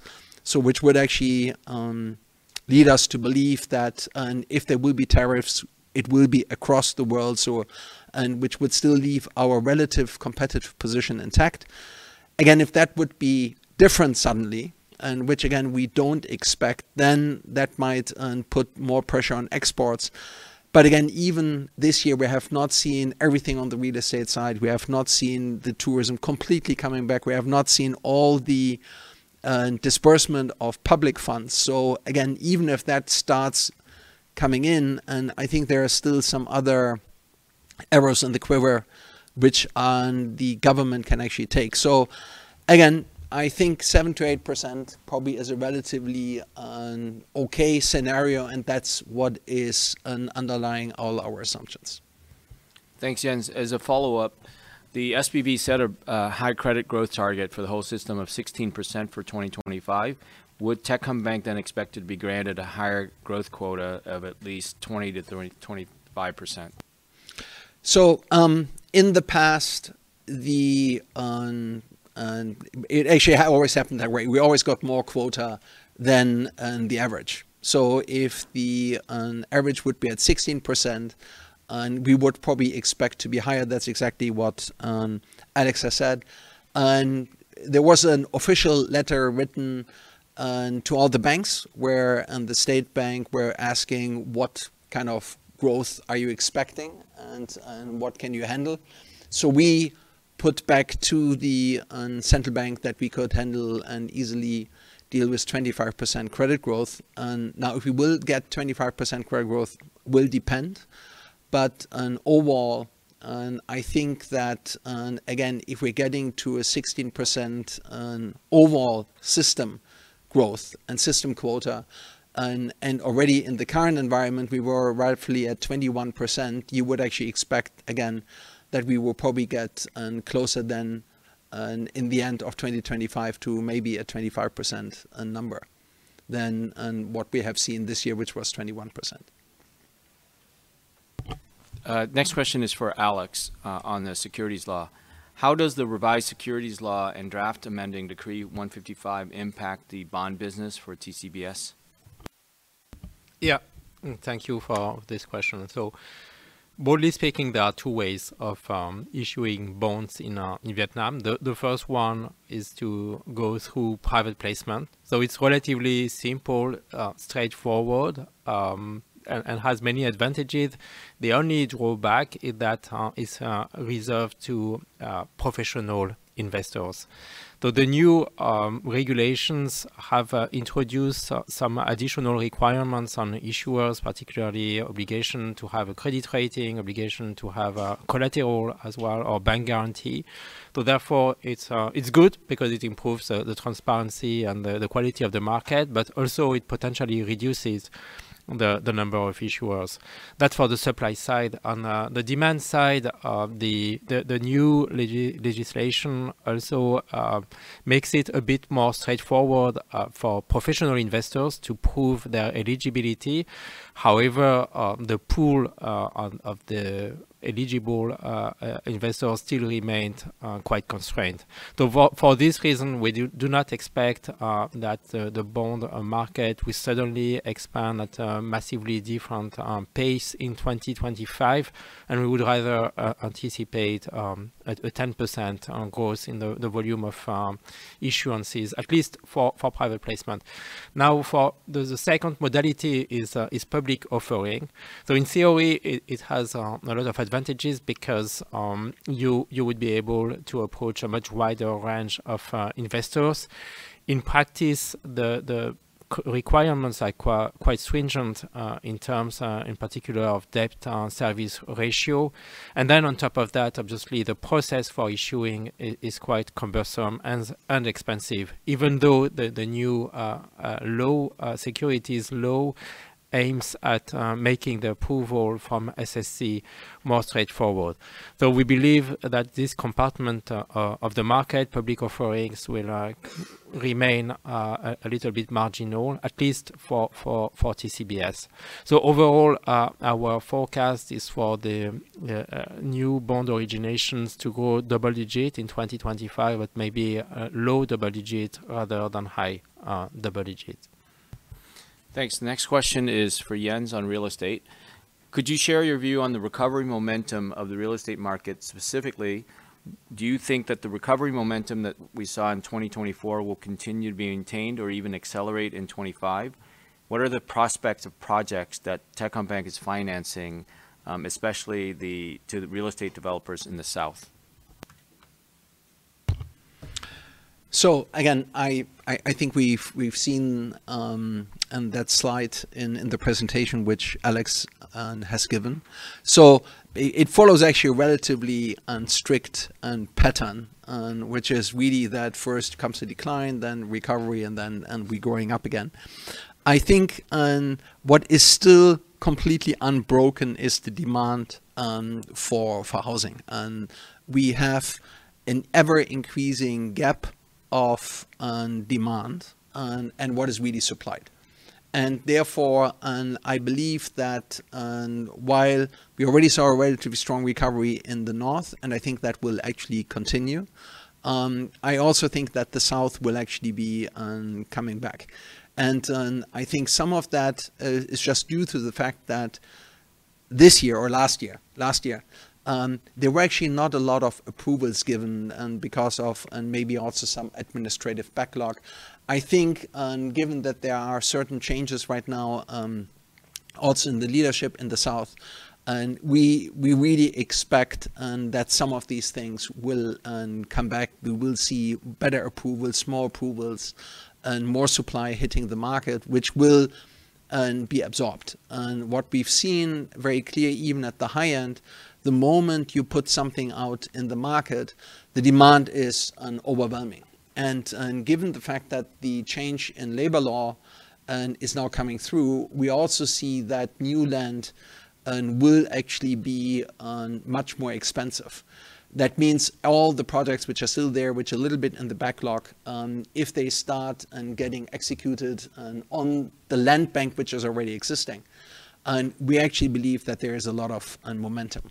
which would actually lead us to believe that if there will be tariffs, it will be across the world, which would still leave our relative competitive position intact. Again, if that would be different suddenly, which again, we don't expect, then that might put more pressure on exports. But again, even this year, we have not seen everything on the real estate side. We have not seen the tourism completely coming back. We have not seen all the disbursement of public funds. So, again, even if that starts coming in, I think there are still some other arrows in the quiver which the government can actually take. So, again, I think 7% to 8% probably is a relatively okay scenario, and that's what is underlying all our assumptions. Thanks, Jens. As a follow-up, the SBV set a high credit growth target for the whole system of 16% for 2025. Would Techcombank then expect to be granted a higher growth quota of at least 20% to 25%? So, in the past, it actually always happened that way. We always got more quota than the average. So, if the average would be at 16%, we would probably expect to be higher. That's exactly what Alex has said. There was an official letter written to all the banks where the State Bank were asking, "What kind of growth are you expecting and what can you handle?" So, we put back to the central bank that we could handle and easily deal with 25% credit growth. Now, if we will get 25% credit growth, it will depend. But overall, I think that, again, if we're getting to a 16% overall system growth and system quota, and already in the current environment, we were roughly at 21%, you would actually expect, again, that we will probably get closer than in the end of 2025 to maybe a 25% number than what we have seen this year, which was 21%. Next question is for Alex on the securities law. How does the revised securities law and draft amending decree 155 impact the bond business for TCBS? Yeah, thank you for this question. So, broadly speaking, there are two ways of issuing bonds in Vietnam. The first one is to go through private placement. So, it's relatively simple, straightforward, and has many advantages. The only drawback is that it's reserved to professional investors. So, the new regulations have introduced some additional requirements on issuers, particularly obligation to have a credit rating, obligation to have collateral as well, or bank guarantee. So, therefore, it's good because it improves the transparency and the quality of the market, but also it potentially reduces the number of issuers. That's for the supply side. On the demand side, the new legislation also makes it a bit more straightforward for professional investors to prove their eligibility. However, the pool of the eligible investors still remained quite constrained. For this reason, we do not expect that the bond market will suddenly expand at a massively different pace in 2025, and we would rather anticipate a 10% growth in the volume of issuances, at least for private placement. Now, the second modality is public offering. So, in theory, it has a lot of advantages because you would be able to approach a much wider range of investors. In practice, the requirements are quite stringent in terms, in particular, of debt-service ratio. And then, on top of that, obviously, the process for issuing is quite cumbersome and expensive, even though the new law on securities law aims at making the approval from SSC more straightforward. So, we believe that this compartment of the market, public offerings, will remain a little bit marginal, at least for TCBS. So, overall, our forecast is for the new bond originations to grow double digit in 2025, but maybe low double digit rather than high double digit. Thanks. Next question is for Jens on real estate. Could you share your view on the recovery momentum of the real estate market specifically? Do you think that the recovery momentum that we saw in 2024 will continue to be maintained or even accelerate in 2025? What are the prospects of projects that Techcombank is financing, especially to the real estate developers in the South? So, again, I think we've seen that slide in the presentation, which Alex has given. So, it follows actually a relatively strict pattern, which is really that first comes a decline, then recovery, and then we're growing up again. I think what is still completely unbroken is the demand for housing. We have an ever-increasing gap of demand and what is really supplied. Therefore, I believe that while we already saw a relatively strong recovery in the North, and I think that will actually continue, I also think that the South will actually be coming back. I think some of that is just due to the fact that this year or last year, last year, there were actually not a lot of approvals given because of maybe also some administrative backlog. I think given that there are certain changes right now, also in the leadership in the South, we really expect that some of these things will come back. We will see better approvals, small approvals, and more supply hitting the market, which will be absorbed. What we've seen very clear, even at the high end, the moment you put something out in the market, the demand is overwhelming. Given the fact that the change in labor law is now coming through, we also see that new land will actually be much more expensive. That means all the projects which are still there, which are a little bit in the backlog, if they start getting executed on the land bank, which is already existing, we actually believe that there is a lot of momentum.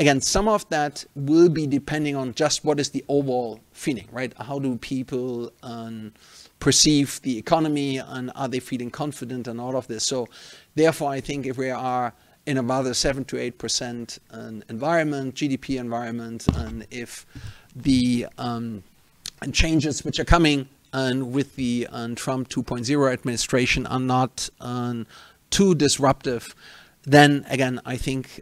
Again, some of that will be depending on just what is the overall feeling, right? How do people perceive the economy? Are they feeling confident and all of this? So, therefore, I think if we are in a rather 7%-8% GDP environment, and if the changes which are coming with the Trump 2.0 administration are not too disruptive, then again, I think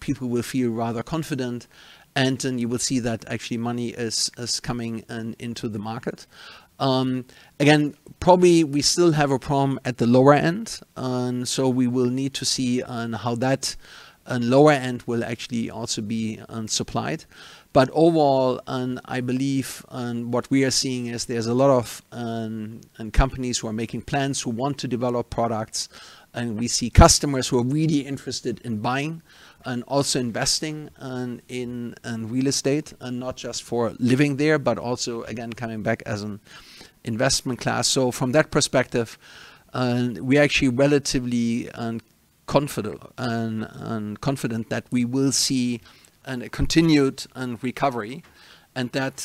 people will feel rather confident, and then you will see that actually money is coming into the market. Again, probably we still have a problem at the lower end, so we will need to see how that lower end will actually also be supplied. But overall, I believe what we are seeing is there's a lot of companies who are making plans, who want to develop products, and we see customers who are really interested in buying and also investing in real estate, not just for living there, but also, again, coming back as an investment class. From that perspective, we are actually relatively confident that we will see a continued recovery and that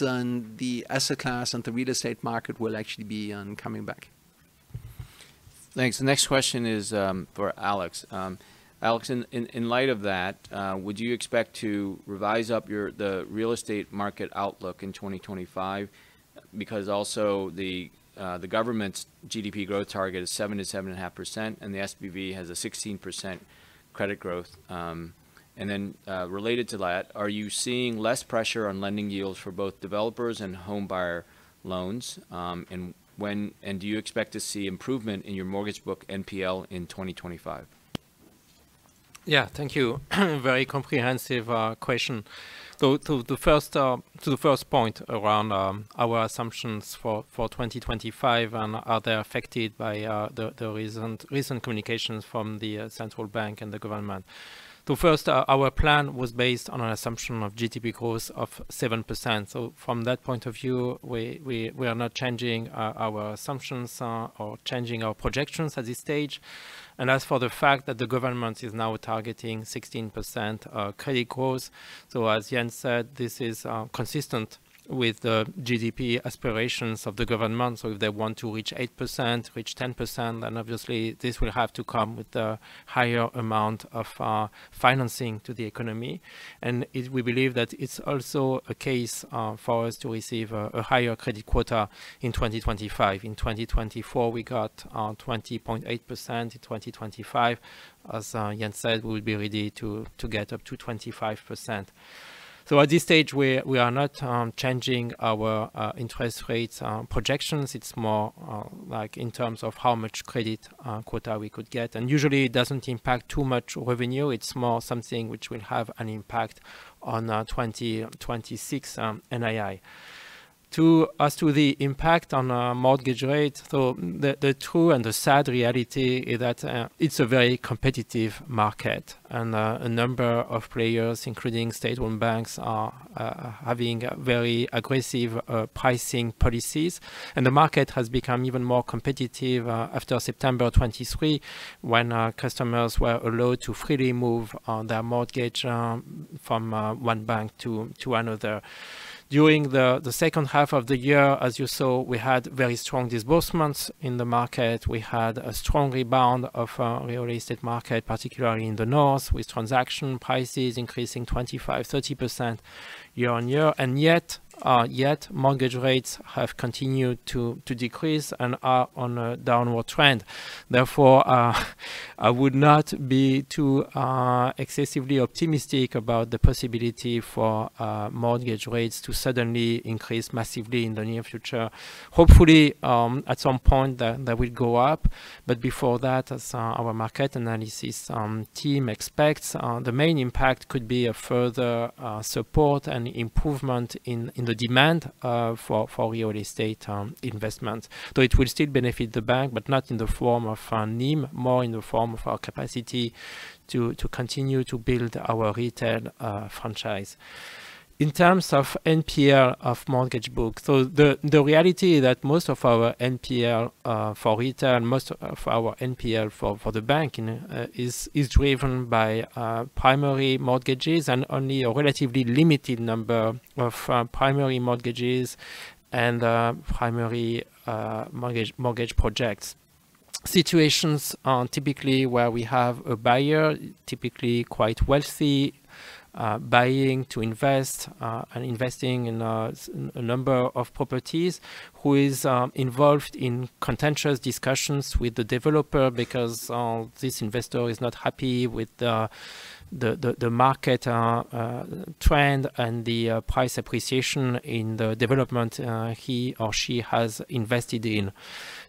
the asset class and the real estate market will actually be coming back. Thanks. The next question is for Alex. Alex, in light of that, would you expect to revise up the real estate market outlook in 2025? Because also the government's GDP growth target is 7%-7.5%, and the SBV has a 16% credit growth. And then related to that, are you seeing less pressure on lending yields for both developers and homebuyer loans? And do you expect to see improvement in your mortgage book NPL in 2025? Yeah, thank you. Very comprehensive question. To the first point around our assumptions for 2025, are they affected by the recent communications from the central bank and the government? So, first, our plan was based on an assumption of GDP growth of 7%. So, from that point of view, we are not changing our assumptions or changing our projections at this stage. And as for the fact that the government is now targeting 16% credit growth, so, as Jens said, this is consistent with the GDP aspirations of the government. So, if they want to reach 8%, reach 10%, then obviously this will have to come with a higher amount of financing to the economy. And we believe that it's also a case for us to receive a higher credit quota in 2025. In 2024, we got 20.8%. In 2025, as Jens said, we will be ready to get up to 25%. So, at this stage, we are not changing our interest rate projections. It's more like in terms of how much credit quota we could get. And usually, it doesn't impact too much revenue. It's more something which will have an impact on 2026 NII. To answer you the impact on mortgage rates, so the true and the sad reality is that it's a very competitive market. And a number of players, including state-run banks, are having very aggressive pricing policies. And the market has become even more competitive after September 23, when customers were allowed to freely move their mortgage from one bank to another. During the second half of the year, as you saw, we had very strong disbursements in the market. We had a strong rebound of the real estate market, particularly in the North, with transaction prices increasing 25%-30% year on year. And yet, mortgage rates have continued to decrease and are on a downward trend. Therefore, I would not be too excessively optimistic about the possibility for mortgage rates to suddenly increase massively in the near future. Hopefully, at some point, that will go up. But before that, as our market analysis team expects, the main impact could be a further support and improvement in the demand for real estate investment. So, it will still benefit the bank, but not in the form of NIM, more in the form of our capacity to continue to build our retail franchise. In terms of NPL of mortgage books, so the reality is that most of our NPL for retail, most of our NPL for the bank is driven by primary mortgages and only a relatively limited number of primary mortgages and primary mortgage projects. Situations are typically where we have a buyer, typically quite wealthy, buying to invest and investing in a number of properties, who is involved in contentious discussions with the developer because this investor is not happy with the market trend and the price appreciation in the development he or she has invested in.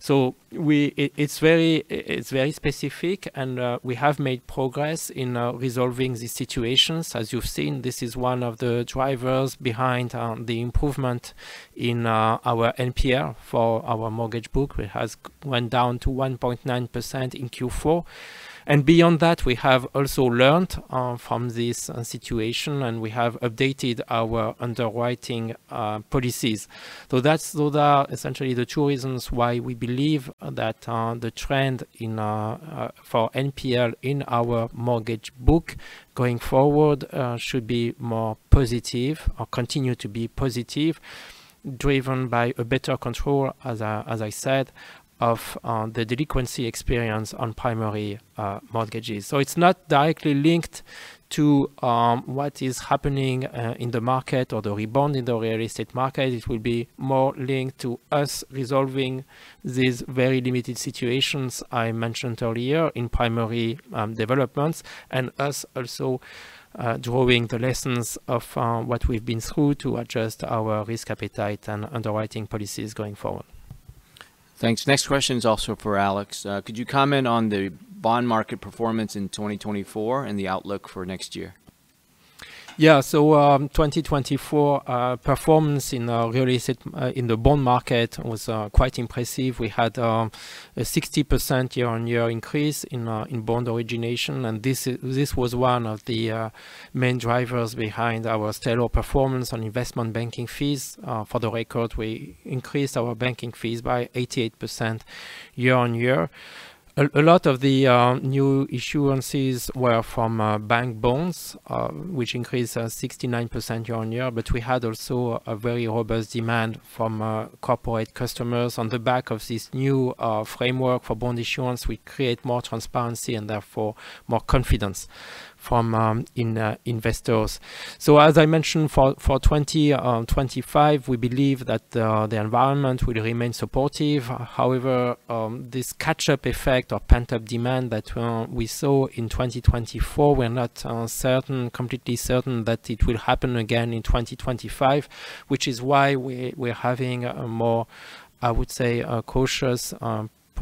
So, it's very specific, and we have made progress in resolving these situations. As you've seen, this is one of the drivers behind the improvement in our NPL for our mortgage book. It has gone down to 1.9% in Q4. And beyond that, we have also learned from this situation, and we have updated our underwriting policies. Those are essentially the two reasons why we believe that the trend for NPL in our mortgage book going forward should be more positive or continue to be positive, driven by a better control, as I said, of the delinquency experience on primary mortgages. It's not directly linked to what is happening in the market or the rebound in the real estate market. It will be more linked to us resolving these very limited situations I mentioned earlier in primary developments and us also drawing the lessons of what we've been through to adjust our risk appetite and underwriting policies going forward. Thanks. Next question is also for Alex. Could you comment on the bond market performance in 2024 and the outlook for next year? Yeah, 2024 performance in the real estate, in the bond market, was quite impressive. We had a 60% year-on-year increase in bond origination, and this was one of the main drivers behind our stellar performance on investment banking fees. For the record, we increased our banking fees by 88% year-on-year. A lot of the new issuances were from bank bonds, which increased 69% year-on-year, but we had also a very robust demand from corporate customers. On the back of this new framework for bond issuance, we create more transparency and therefore more confidence from investors. So, as I mentioned, for 2025, we believe that the environment will remain supportive. However, this catch-up effect of pent-up demand that we saw in 2024, we're not completely certain that it will happen again in 2025, which is why we're having a more, I would say,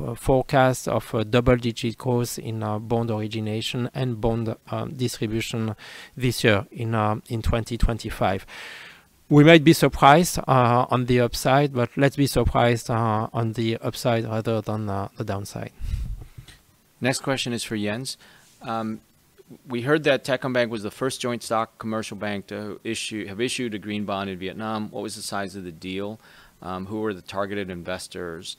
cautious forecast of a double-digit growth in bond origination and bond distribution this year in 2025. We might be surprised on the upside, but let's be surprised on the upside rather than the downside. Next question is for Jens. We heard that Techcombank was the first joint-stock commercial bank to have issued a green bond in Vietnam. What was the size of the deal? Who were the targeted investors?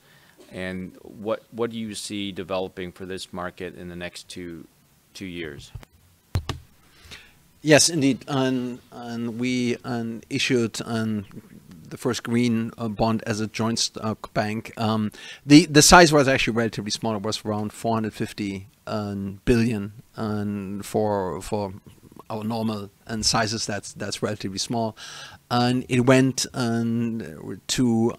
And what do you see developing for this market in the next two years? Yes, indeed. We issued the first green bond as a joint-stock bank. The size was actually relatively small. It was around 450 billion for our normal sizes. That's relatively small. And it went to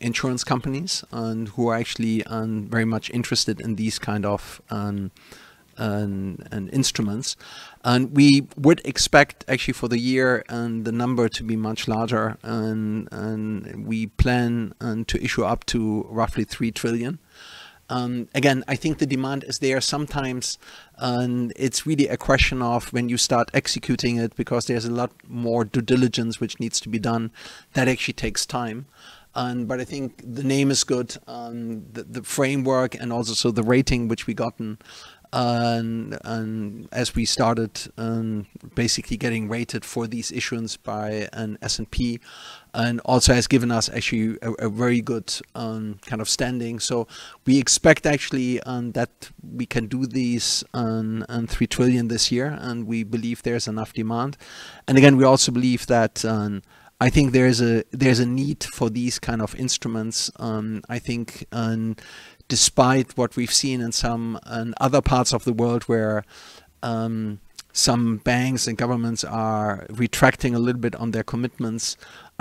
insurance companies who are actually very much interested in these kinds of instruments. And we would expect actually for the year the number to be much larger. And we plan to issue up to roughly 3 trillion. Again, I think the demand is there. Sometimes it's really a question of when you start executing it because there's a lot more due diligence which needs to be done. That actually takes time. But I think the name is good. The framework and also the rating which we got as we started basically getting rated for these issuance by S&P also has given us actually a very good kind of standing. So, we expect actually that we can do these three trillion this year, and we believe there's enough demand. And again, we also believe that I think there's a need for these kinds of instruments. I think despite what we've seen in some other parts of the world where some banks and governments are retracting a little bit on their commitments,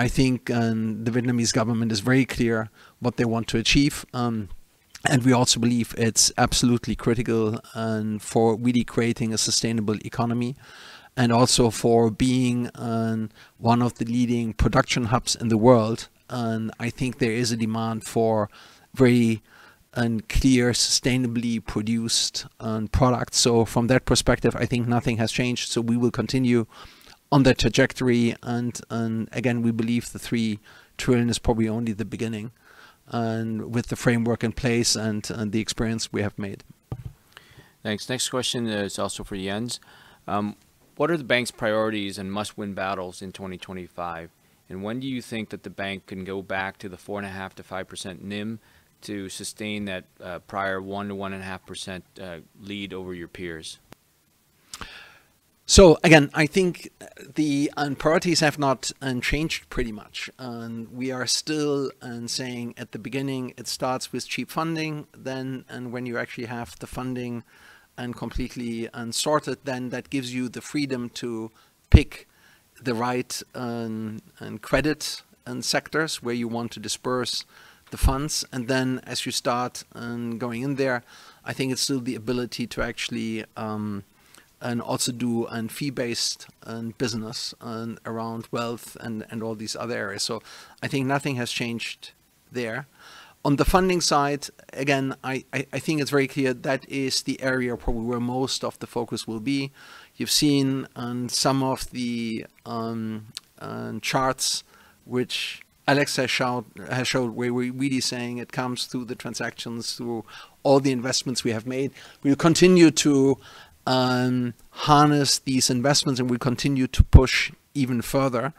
I think the Vietnamese government is very clear what they want to achieve. And we also believe it's absolutely critical for really creating a sustainable economy and also for being one of the leading production hubs in the world. And I think there is a demand for very clear, sustainably produced products. So, from that perspective, I think nothing has changed. So, we will continue on that trajectory. And again, we believe the 3 trillion is probably only the beginning with the framework in place and the experience we have made. Thanks. Next question is also for Jens. What are the bank's priorities and must-win battles in 2025? And when do you think that the bank can go back to the 4.5%-5% NIM to sustain that prior 1%-1.5% lead over your peers? So, again, I think the priorities have not changed pretty much. We are still saying at the beginning, it starts with cheap funding. Then, when you actually have the funding completely sourced, then that gives you the freedom to pick the right credit and sectors where you want to disburse the funds. And then, as you start going in there, I think it's still the ability to actually also do a fee-based business around wealth and all these other areas. So, I think nothing has changed there. On the funding side, again, I think it's very clear that is the area where most of the focus will be. You've seen some of the charts which Alex has showed where we're really saying it comes through the transactions, through all the investments we have made. We'll continue to harness these investments, and we'll continue to push even further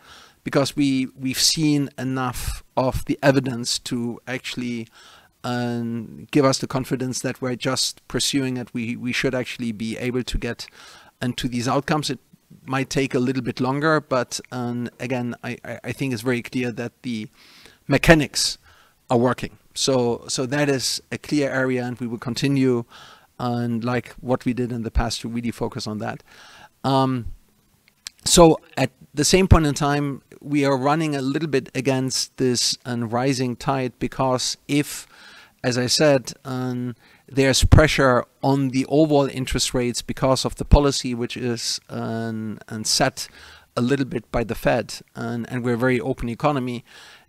because we've seen enough of the evidence to actually give us the confidence that we're just pursuing it. We should actually be able to get to these outcomes. It might take a little bit longer, but again, I think it's very clear that the mechanics are working. So, that is a clear area, and we will continue like what we did in the past to really focus on that. So, at the same point in time, we are running a little bit against this rising tide because if, as I said, there's pressure on the overall interest rates because of the policy, which is set a little bit by the Fed, and we're a very open economy,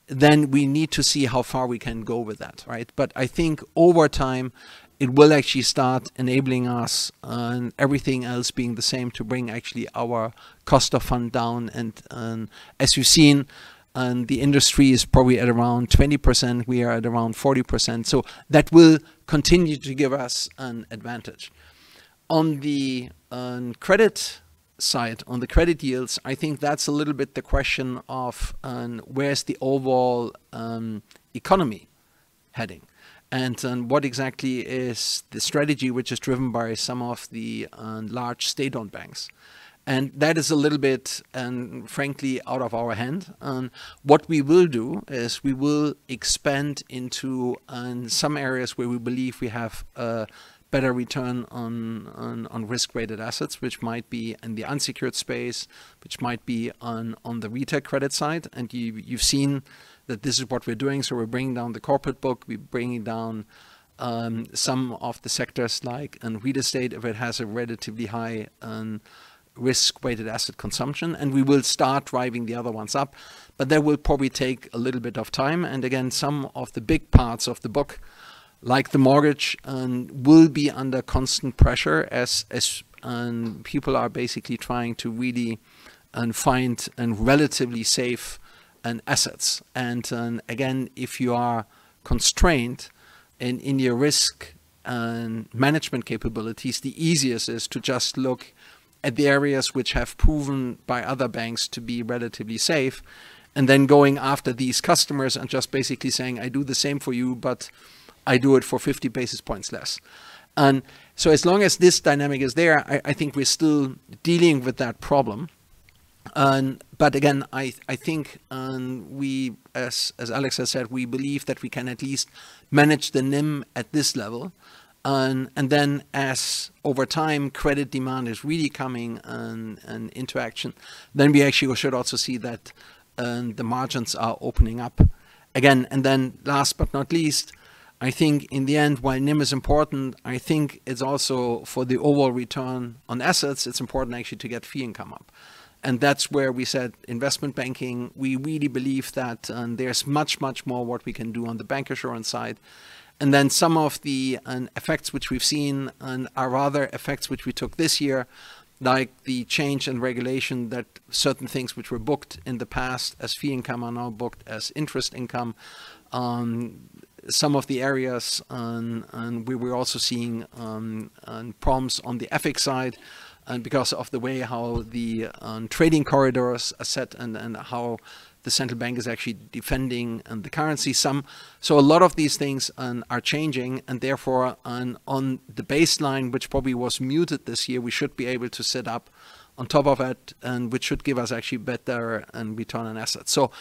then we need to see how far we can go with that, right? But I think over time, it will actually start enabling us, everything else being the same, to bring actually our cost of fund down. And as you've seen, the industry is probably at around 20%. We are at around 40%. So, that will continue to give us an advantage. On the credit side, on the credit yields, I think that's a little bit the question of where's the overall economy heading and what exactly is the strategy which is driven by some of the large state-owned banks. And that is a little bit, frankly, out of our hand. What we will do is we will expand into some areas where we believe we have a better return on risk-weighted assets, which might be in the unsecured space, which might be on the retail credit side. And you've seen that this is what we're doing. So, we're bringing down the corporate book. We're bringing down some of the sectors like real estate, if it has a relatively high risk-weighted asset consumption. And we will start driving the other ones up, but that will probably take a little bit of time. And again, some of the big parts of the book, like the mortgage, will be under constant pressure as people are basically trying to really find relatively safe assets. And again, if you are constrained in your risk management capabilities, the easiest is to just look at the areas which have proven by other banks to be relatively safe and then going after these customers and just basically saying, "I do the same for you, but I do it for 50 basis points less." So, as long as this dynamic is there, I think we're still dealing with that problem. But again, I think, as Alex has said, we believe that we can at least manage the NIM at this level. And then, as over time, credit demand is really coming into action, then we actually should also see that the margins are opening up again. And then, last but not least, I think in the end, while NIM is important, I think it's also, for the overall return on assets, it's important actually to get fee income up. And that's where we said investment banking, we really believe that there's much, much more what we can do on the bancassurance side. And then some of the effects which we've seen are rather effects which we took this year, like the change in regulation that certain things which were booked in the past as fee income are now booked as interest income. Some of the areas we were also seeing problems on the FX side because of the way how the trading corridors are set and how the central bank is actually defending the currency. So, a lot of these things are changing. And therefore, on the baseline, which probably was muted this year, we should be able to set up on top of it, which should give us actually better Return on Assets. So,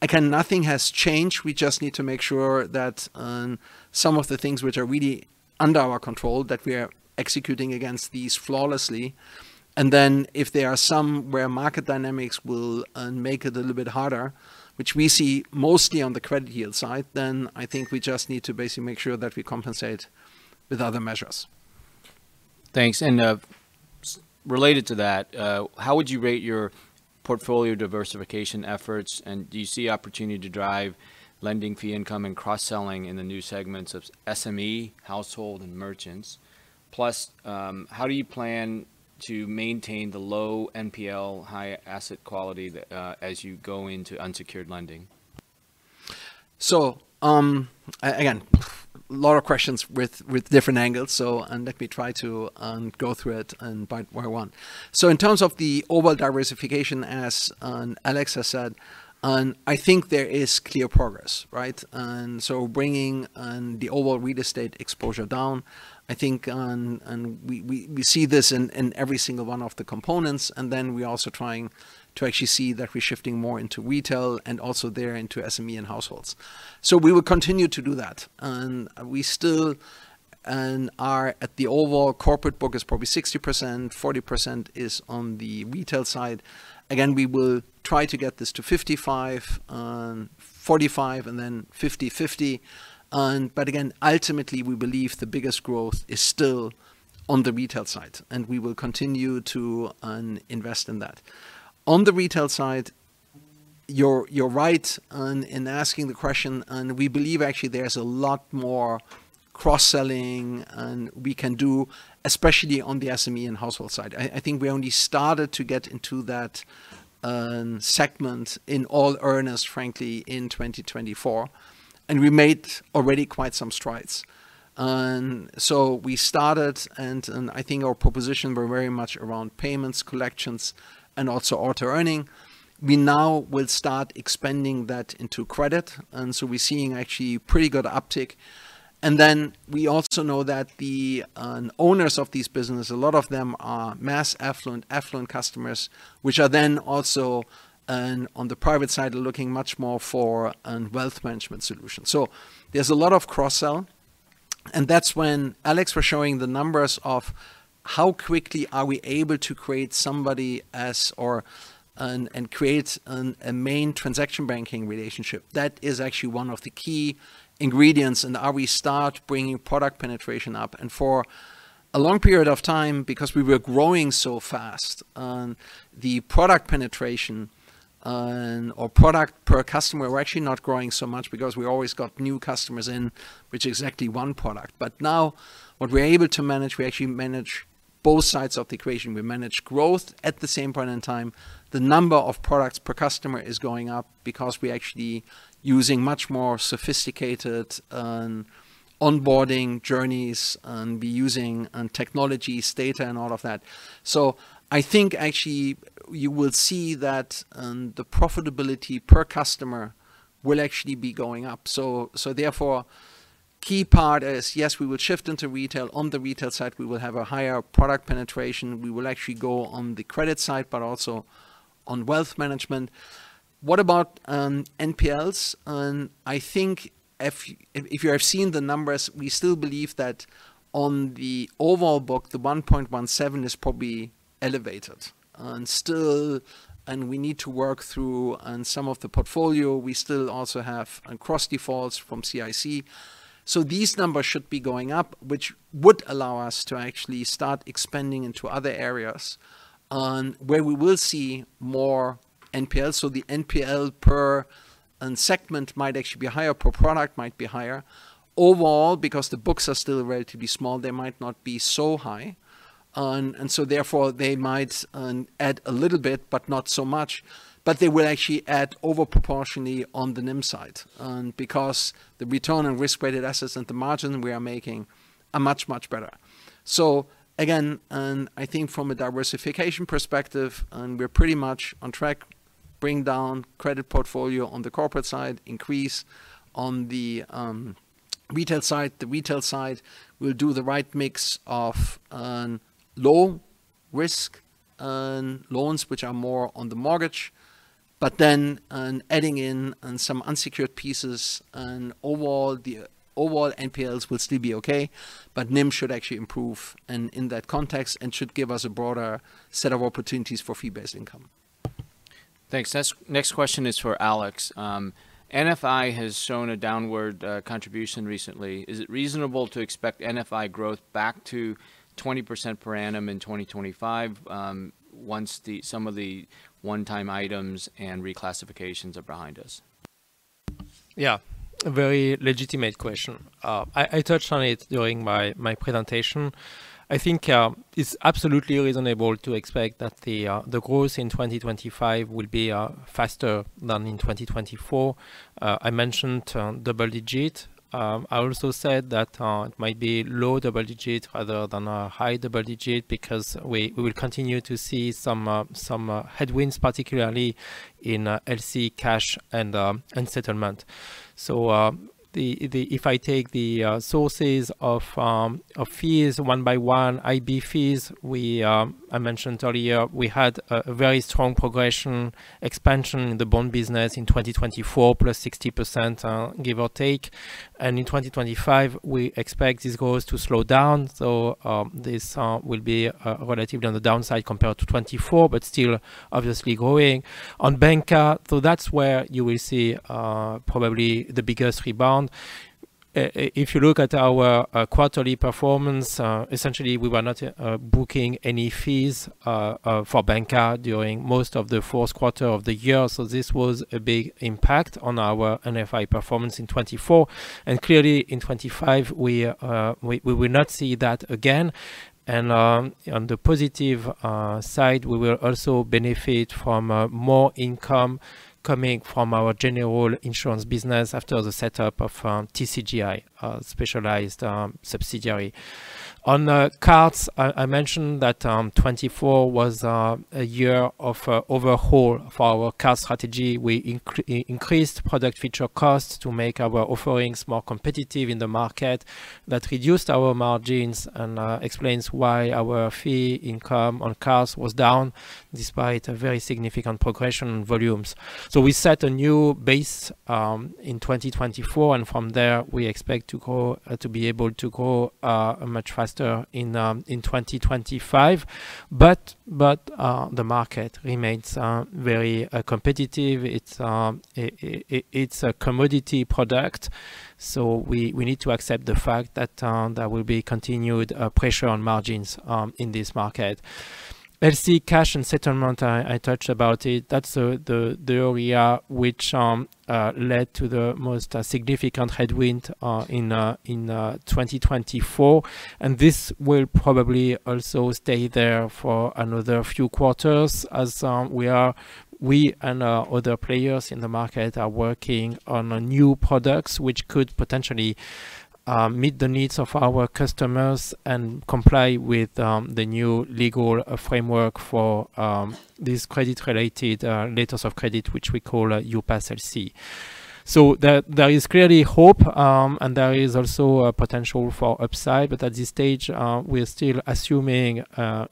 again, nothing has changed. We just need to make sure that some of the things which are really under our control that we are executing against these flawlessly. And then, if there are some where market dynamics will make it a little bit harder, which we see mostly on the credit yield side, then I think we just need to basically make sure that we compensate with other measures. Thanks. And related to that, how would you rate your portfolio diversification efforts? And do you see opportunity to drive lending fee income and cross-selling in the new segments of SME, household, and merchants? Plus, how do you plan to maintain the low NPL, high asset quality as you go into unsecured lending? So, again, a lot of questions with different angles. So, let me try to go through it and find where I want. So, in terms of the overall diversification, as Alex has said, I think there is clear progress, right? And so, bringing the overall real estate exposure down, I think we see this in every single one of the components. And then we're also trying to actually see that we're shifting more into retail and also there into SME and households. So, we will continue to do that. We still are at the overall corporate book is probably 60%. 40% is on the retail side. Again, we will try to get this to 55%-45%, and then 50%-50%. But again, ultimately, we believe the biggest growth is still on the retail side, and we will continue to invest in that. On the retail side, you're right in asking the question. We believe actually there's a lot more cross-selling we can do, especially on the SME and household side. I think we only started to get into that segment in all earnest, frankly, in 2024. And we made already quite some strides. So, we started, and I think our proposition were very much around payments, collections, and also Auto-earning. We now will start expanding that into credit. And so, we're seeing actually pretty good uptick. And then we also know that the owners of these businesses, a lot of them are mass affluent customers, which are then also on the private side looking much more for wealth management solutions. So, there's a lot of cross-sell. And that's when Alex was showing the numbers of how quickly are we able to create somebody as MTB and create a main transaction bank relationship. That is actually one of the key ingredients. And as we start bringing product penetration up? And for a long period of time, because we were growing so fast, the product penetration or product per customer were actually not growing so much because we always got new customers in with exactly one product. But now, what we're able to manage, we actually manage both sides of the equation. We manage growth at the same point in time. The number of products per customer is going up because we're actually using much more sophisticated onboarding journeys and by using technologies, data, and all of that. So, I think actually you will see that the profitability per customer will actually be going up. So, therefore, key part is, yes, we will shift into retail. On the retail side, we will have a higher product penetration. We will actually go on the credit side, but also on wealth management. What about NPLs? I think if you have seen the numbers, we still believe that on the overall book, the 1.17% is probably elevated. Still, we need to work through some of the portfolio. We still also have cross-defaults from CIC. So, these numbers should be going up, which would allow us to actually start expanding into other areas where we will see more NPLs. The NPL per segment might actually be higher per product, might be higher. Overall, because the books are still relatively small, they might not be so high. Therefore, they might add a little bit, but not so much. They will actually add disproportionately on the NIM side because the return on risk-weighted assets and the margin we are making are much, much better. Again, I think from a diversification perspective, we're pretty much on track, bring down credit portfolio on the corporate side, increase on the retail side. The retail side will do the right mix of low-risk loans, which are more on the mortgage, but then adding in some unsecured pieces. Overall, the overall NPLs will still be okay, but NIM should actually improve in that context and should give us a broader set of opportunities for fee-based income. Thanks. Next question is for Alex. NFI has shown a downward contribution recently. Is it reasonable to expect NFI growth back to 20% per annum in 2025 once some of the one-time items and reclassifications are behind us? Yeah, a very legitimate question. I touched on it during my presentation. I think it's absolutely reasonable to expect that the growth in 2025 will be faster than in 2024. I mentioned double digit. I also said that it might be low double digit rather than a high double digit because we will continue to see some headwinds, particularly in LC cash and settlement, so if I take the sources of fees one by one, IB fees, I mentioned earlier, we had a very strong progression expansion in the bond business in 2024, plus 60% give or take, and in 2025, we expect these growths to slow down. This will be relatively on the downside compared to 2024, but still obviously growing on bank card. That's where you will see probably the biggest rebound. If you look at our quarterly performance, essentially, we were not booking any fees for bank card during most of the fourth quarter of the year. This was a big impact on our NFI performance in 2024. And clearly, in 2025, we will not see that again. And on the positive side, we will also benefit from more income coming from our general insurance business after the setup of TCGI, a specialized subsidiary. On cards, I mentioned that 2024 was a year of overhaul for our card strategy. We increased product feature costs to make our offerings more competitive in the market. That reduced our margins and explains why our fee income on cards was down despite a very significant progression in volumes. So, we set a new base in 2024. And from there, we expect to be able to grow much faster in 2025. But the market remains very competitive. It's a commodity product. So, we need to accept the fact that there will be continued pressure on margins in this market. LC cash and settlement, I touched about it. That's the area which led to the most significant headwind in 2024. And this will probably also stay there for another few quarters as we and other players in the market are working on new products which could potentially meet the needs of our customers and comply with the new legal framework for this credit-related letters of credit, which we call UPAS LC. There is clearly hope, and there is also a potential for upside. At this stage, we're still assuming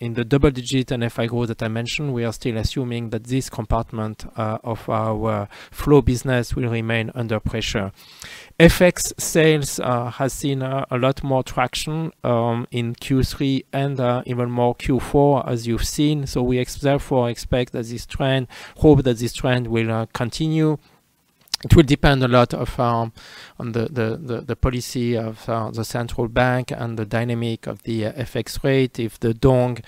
in the double digit NFI growth that I mentioned, we are still assuming that this compartment of our flow business will remain under pressure. FX sales has seen a lot more traction in Q3 and even more Q4, as you've seen. We therefore expect that this trend, hope that this trend will continue. It will depend a lot on the policy of the central bank and the dynamic of the FX rate. If the Dong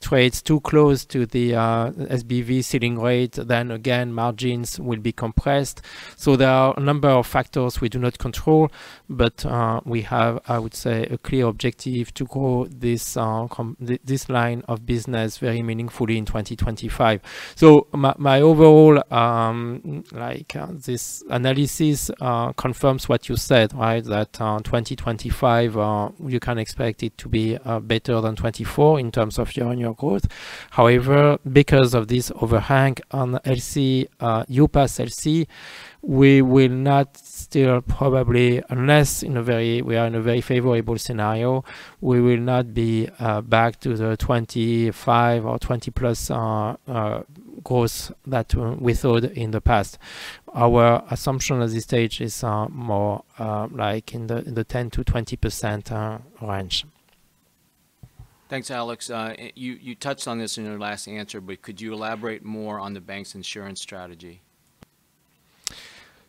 trades too close to the SBV ceiling rate, then again, margins will be compressed. There are a number of factors we do not control, but we have, I would say, a clear objective to grow this line of business very meaningfully in 2025. So, my overall, like, this analysis confirms what you said, right? That 2025, you can expect it to be better than 2024 in terms of year-on-year growth. However, because of this overhang on UPAS LC, we will not still probably, unless we are in a very favorable scenario, we will not be back to the 25% or 20-plus% growth that we thought in the past. Our assumption at this stage is more like in the 10%-20% range. Thanks, Alex. You touched on this in your last answer, but could you elaborate more on the bank's insurance strategy?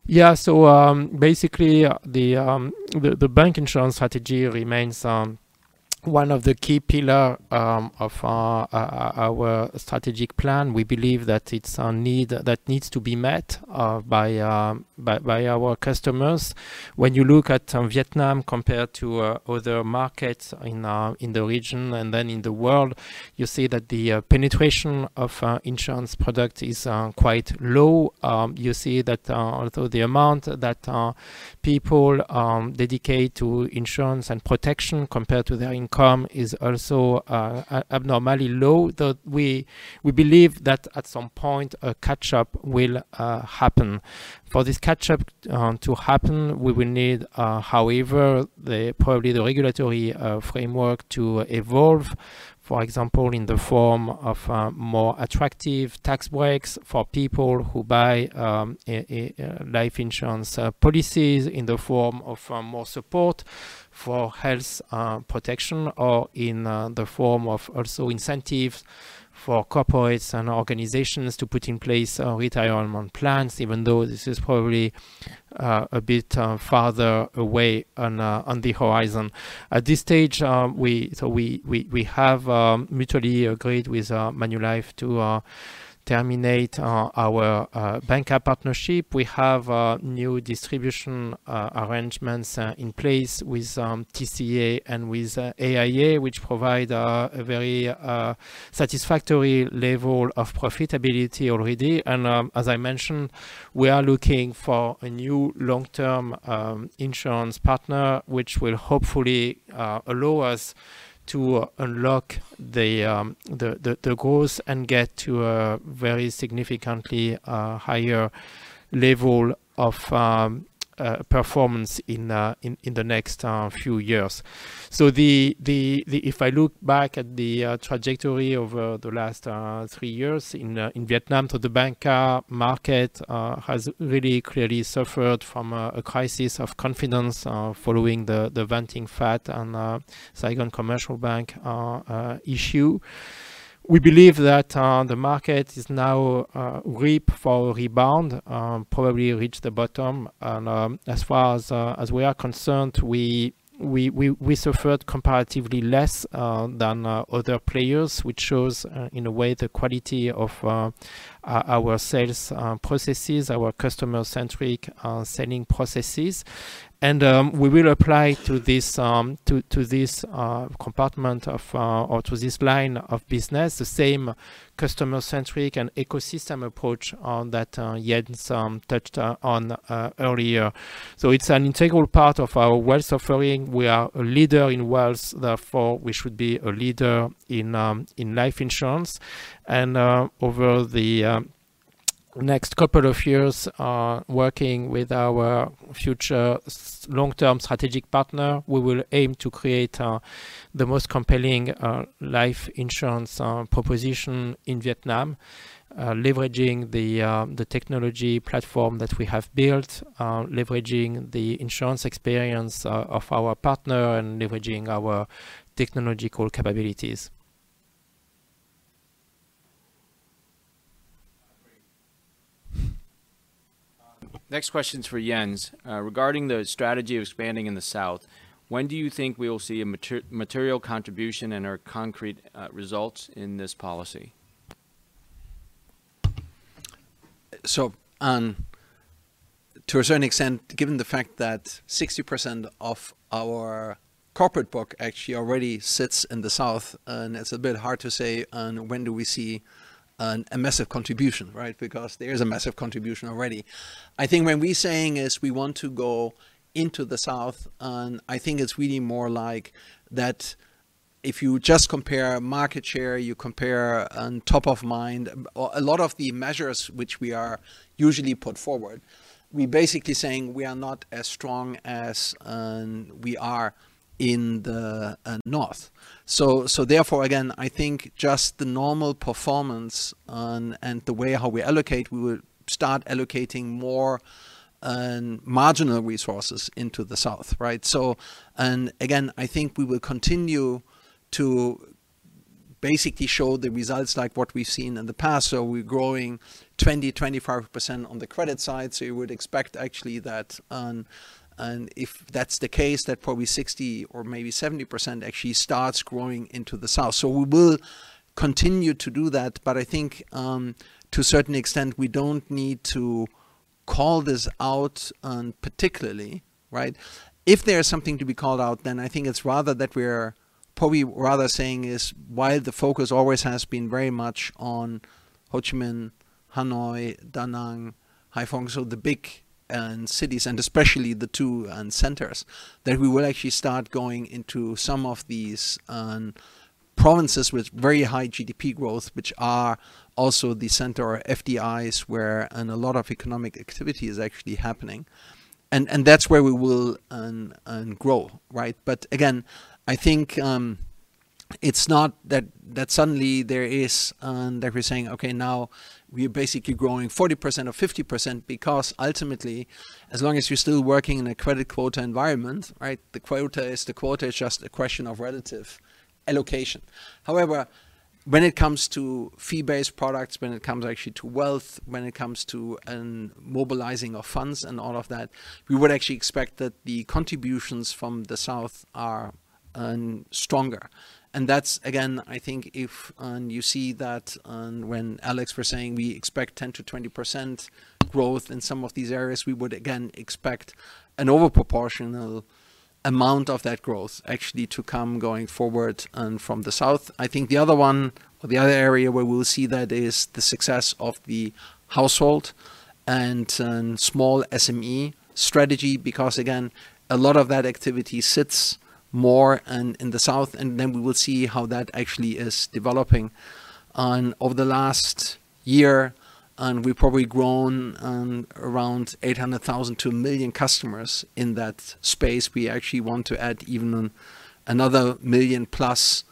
Yeah, so basically, the bank insurance strategy remains one of the key pillars of our strategic plan. We believe that it's a need that needs to be met by our customers. When you look at Vietnam compared to other markets in the region and then in the world, you see that the penetration of insurance products is quite low. You see that although the amount that people dedicate to insurance and protection compared to their income is also abnormally low, we believe that at some point a catch-up will happen. For this catch-up to happen, we will need, however, probably the regulatory framework to evolve, for example, in the form of more attractive tax breaks for people who buy life insurance policies in the form of more support for health protection or in the form of also incentives for corporates and organizations to put in place retirement plans, even though this is probably a bit farther away on the horizon. At this stage, we have mutually agreed with Manulife to terminate our bancassurance partnership. We have new distribution arrangements in place with TCA and with AIA, which provide a very satisfactory level of profitability already. And as I mentioned, we are looking for a new long-term insurance partner, which will hopefully allow us to unlock the growth and get to a very significantly higher level of performance in the next few years. So, if I look back at the trajectory over the last three years in Vietnam, the bancassurance market has really clearly suffered from a crisis of confidence following the Vạn Thịnh Phát and Saigon Commercial Bank issue. We believe that the market is now ripe for a rebound, probably reached the bottom. And as far as we are concerned, we suffered comparatively less than other players, which shows in a way the quality of our sales processes, our customer-centric selling processes. We will apply to this compartment of or to this line of business the same customer-centric and ecosystem approach that Jens touched on earlier. So, it's an integral part of our wealth offering. We are a leader in wealth. Therefore, we should be a leader in life insurance. And over the next couple of years, working with our future long-term strategic partner, we will aim to create the most compelling life insurance proposition in Vietnam, leveraging the technology platform that we have built, leveraging the insurance experience of our partner, and leveraging our technological capabilities. Next question is for Jens. Regarding the strategy of expanding in the South, when do you think we will see a material contribution and/or concrete results in this policy? So, to a certain extent, given the fact that 60% of our corporate book actually already sits in the South, and it's a bit hard to say when do we see a massive contribution, right? Because there is a massive contribution already. I think when we're saying is we want to go into the South, I think it's really more like that if you just compare market share, you compare top of mind, a lot of the measures which we are usually put forward, we're basically saying we are not as strong as we are in the North. So, therefore, again, I think just the normal performance and the way how we allocate, we will start allocating more marginal resources into the South, right? So, and again, I think we will continue to basically show the results like what we've seen in the past. So, we're growing 20-25% on the credit side. So, you would expect actually that if that's the case, that probably 60% or maybe 70% actually starts growing into the South. So, we will continue to do that. But I think to a certain extent, we don't need to call this out particularly, right? If there is something to be called out, then I think it's rather that we're probably rather saying is while the focus always has been very much on Ho Chi Minh, Hanoi, Da Nang, Hai Phong, so the big cities, and especially the two centers, that we will actually start going into some of these provinces with very high GDP growth, which are also the center or FDIs where a lot of economic activity is actually happening, and that's where we will grow, right? But again, I think it's not that suddenly there is that we're saying, okay, now we're basically growing 40% or 50% because ultimately, as long as you're still working in a credit quota environment, right? The quota is the quota. It's just a question of relative allocation. However, when it comes to fee-based products, when it comes actually to wealth, when it comes to mobilizing of funds and all of that, we would actually expect that the contributions from the South are stronger. And that's, again, I think if you see that when Alex was saying we expect 10%-20% growth in some of these areas, we would again expect an overproportional amount of that growth actually to come going forward from the South. I think the other one or the other area where we'll see that is the success of the household and small SME strategy because, again, a lot of that activity sits more in the South, and then we will see how that actually is developing. Over the last year, we've probably grown around 800,000 to a million customers in that space. We actually want to add even another million plus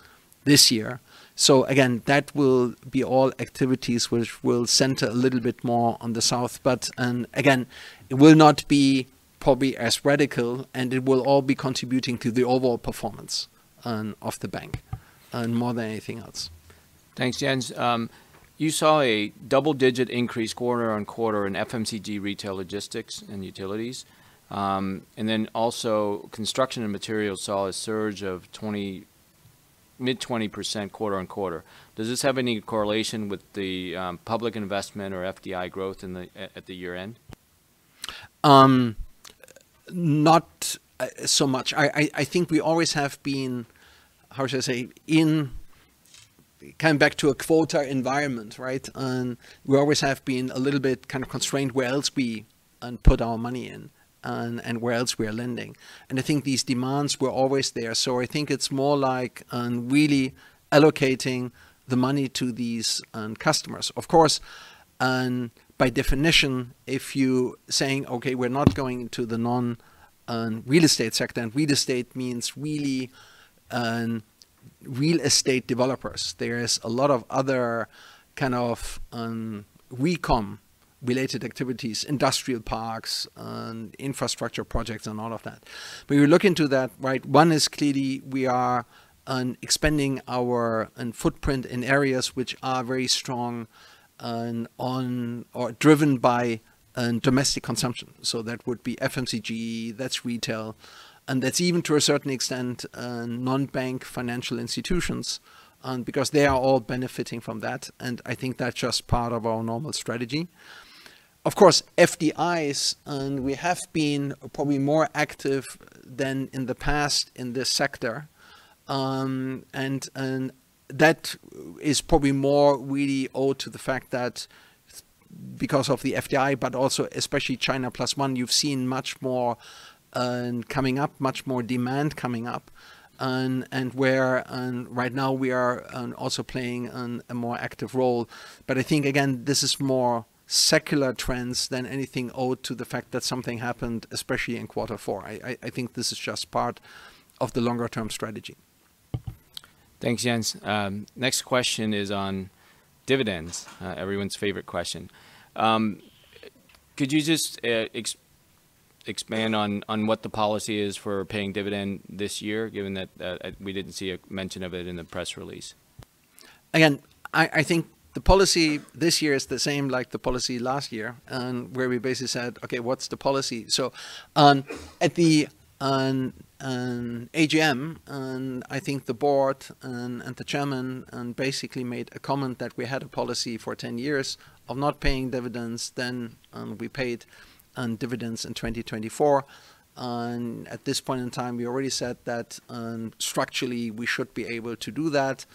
this year, so, again, that will be all activities which will center a little bit more on the South. But again, it will not be probably as radical, and it will all be contributing to the overall performance of the bank more than anything else. Thanks, Jens. You saw a double-digit increase quarter on quarter in FMCG retail logistics and utilities, and then also construction and materials saw a surge of mid-20% quarter on quarter. Does this have any correlation with the public investment or FDI growth at the year-end? Not so much. I think we always have been, how should I say, in coming back to a quota environment, right? We always have been a little bit kind of constrained where else we put our money in and where else we are lending. And I think these demands were always there. So, I think it's more like really allocating the money to these customers. Of course, by definition, if you're saying, okay, we're not going into the non-real estate sector, and real estate means really real estate developers. There is a lot of other kind of recom related activities, industrial parks, infrastructure projects, and all of that. When you look into that, right, one is clearly we are expanding our footprint in areas which are very strong or driven by domestic consumption. So, that would be FMCG, that's retail, and that's even to a certain extent non-bank financial institutions because they are all benefiting from that. And I think that's just part of our normal strategy. Of course, FDIs, we have been probably more active than in the past in this sector. And that is probably more really owed to the fact that because of the FDI, but also especially China Plus One, you've seen much more coming up, much more demand coming up. And where right now we are also playing a more active role. But I think, again, this is more secular trends than anything owed to the fact that something happened, especially in quarter four. I think this is just part of the longer-term strategy. Thanks, Jens. Next question is on dividends, everyone's favorite question. Could you just expand on what the policy is for paying dividend this year, given that we didn't see a mention of it in the press release? Again, I think the policy this year is the same like the policy last year, where we basically said, okay, what's the policy? So, at the AGM, I think the board and the chairman basically made a comment that we had a policy for 10 years of not paying dividends, then we paid dividends in 2024. At this point in time, we already said that structurally we should be able to do that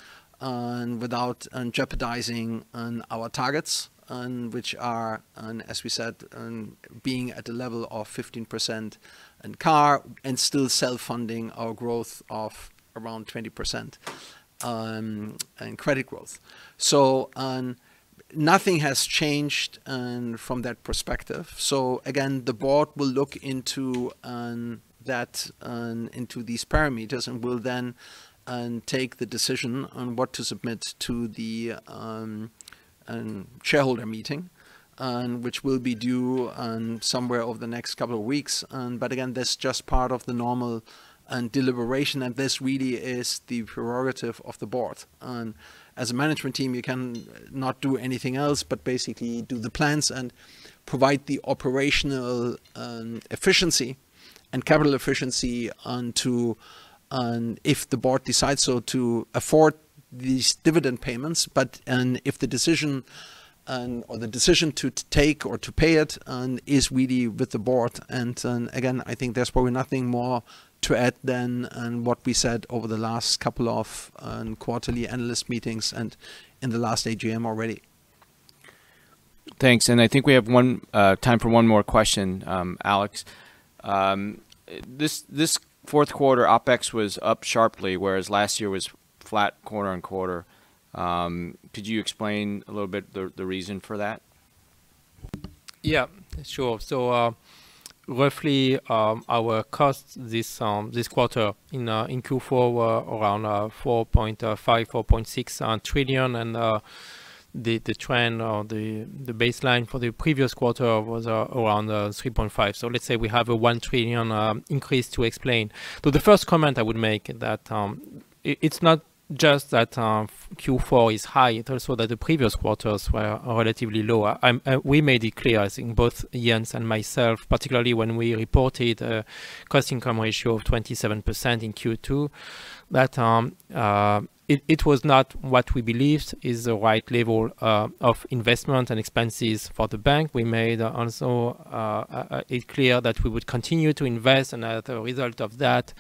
without jeopardizing our targets, which are, as we said, being at the level of 15% in CAR and still self-funding our growth of around 20% in credit growth. So, nothing has changed from that perspective. So, again, the board will look into these parameters and will then take the decision on what to submit to the shareholder meeting, which will be due somewhere over the next couple of weeks. But again, this is just part of the normal deliberation, and this really is the prerogative of the board. As a management team, you can not do anything else but basically do the plans and provide the operational efficiency and capital efficiency if the board decides so to afford these dividend payments. But if the decision to take or to pay it is really with the board. And again, I think there's probably nothing more to add than what we said over the last couple of quarterly analyst meetings and in the last AGM already. Thanks. And I think we have time for one more question, Alex. This fourth quarter, OPEX was up sharply, whereas last year was flat quarter on quarter. Could you explain a little bit the reason for that? Yeah, sure. So, roughly our cost this quarter in Q4 were around 4.5-4.6 trillion. And the trend or the baseline for the previous quarter was around 3.5 trillion. So, let's say we have a 1 trillion increase to explain. So, the first comment I would make that it's not just that Q4 is high, it's also that the previous quarters were relatively low. We made it clear, I think, both Jens and myself, particularly when we reported a cost-income ratio of 27% in Q2, that it was not what we believed is the right level of investment and expenses for the bank. We made also it clear that we would continue to invest. And as a result of that,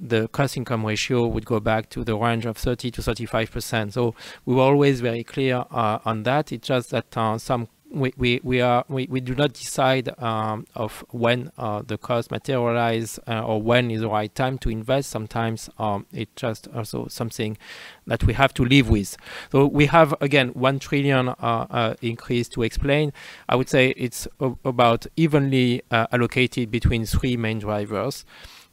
the cost-income ratio would go back to the range of 30%-35%. So, we were always very clear on that. It's just that we do not decide of when the cost materializes or when is the right time to invest. Sometimes it's just also something that we have to live with. So, we have, again, 1 trillion increase to explain. I would say it's about evenly allocated between three main drivers.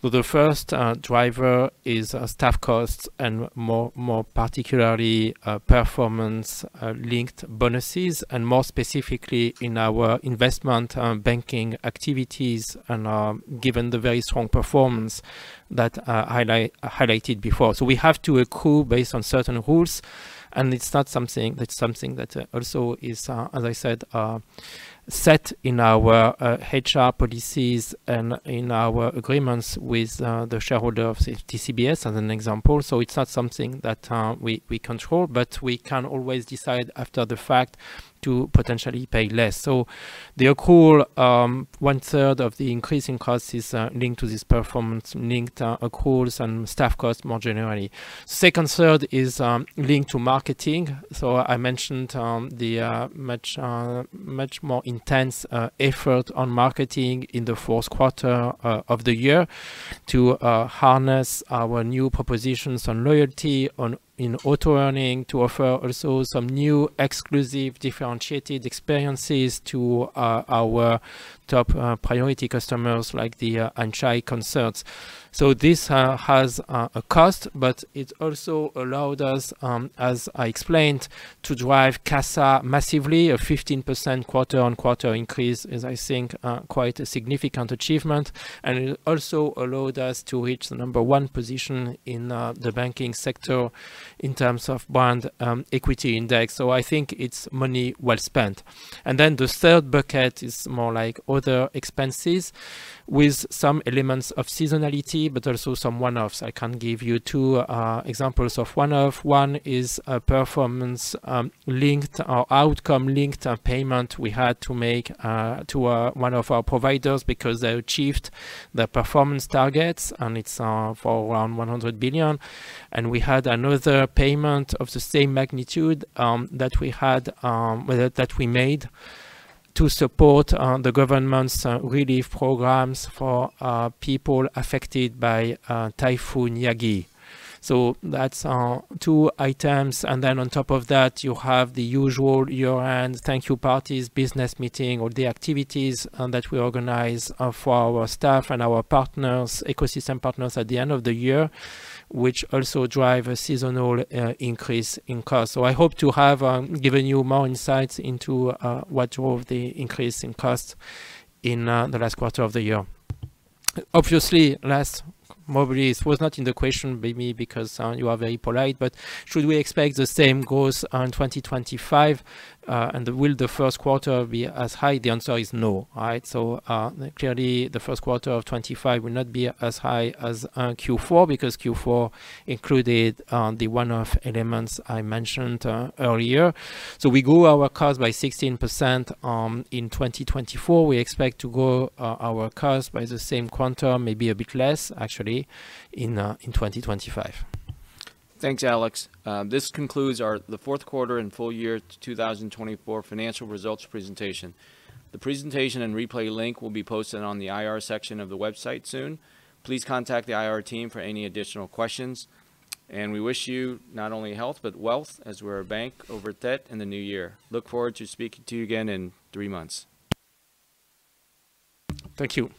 So, the first driver is staff costs and more particularly performance-linked bonuses, and more specifically in our investment banking activities and given the very strong performance that I highlighted before. So, we have to accrue based on certain rules, and it's not something that also is, as I said, set in our HR policies and in our agreements with the shareholder of TCBS as an example. So, it's not something that we control, but we can always decide after the fact to potentially pay less. So, the accrual, one third of the increasing cost is linked to this performance-linked accruals and staff costs more generally. Second third is linked to marketing. So, I mentioned the much more intense effort on marketing in the fourth quarter of the year to harness our new propositions on loyalty in Auto-earning to offer also some new exclusive differentiated experiences to our top priority customers like the Anh Tai Concerts. So, this has a cost, but it also allowed us, as I explained, to drive CASA massively, a 15% quarter on quarter increase is, I think, quite a significant achievement. And it also allowed us to reach the number one position in the banking sector in terms of Brand Equity Index. So, I think it's money well spent. And then the third bucket is more like other expenses with some elements of seasonality, but also some one-offs. I can give you two examples of one-off. One is a performance-linked or outcome-linked payment we had to make to one of our providers because they achieved their performance targets, and it's for around 100 billion. And we had another payment of the same magnitude that we made to support the government's relief programs for people affected by Typhoon Yagi. So, that's two items. And then on top of that, you have the usual year-end thank you parties, business meeting, or the activities that we organize for our staff and our partners, ecosystem partners at the end of the year, which also drive a seasonal increase in cost. So, I hope to have given you more insights into what drove the increase in cost in the last quarter of the year. Obviously, last probably it was not in the question maybe because you are very polite, but should we expect the same growth in 2025 and will the first quarter be as high? The answer is no, right? So, clearly the first quarter of 25 will not be as high as Q4 because Q4 included the one-off elements I mentioned earlier. So, we grew our cost by 16% in 2024. We expect to grow our cost by the same quantum, maybe a bit less actually in 2025. Thanks, Alex. This concludes the fourth quarter and full year 2024 financial results presentation. The presentation and replay link will be posted on the IR section of the website soon. Please contact the IR team for any additional questions. And we wish you not only health but wealth as we're a bank over Tet and the new year. Look forward to speaking to you again in three months. Thank you.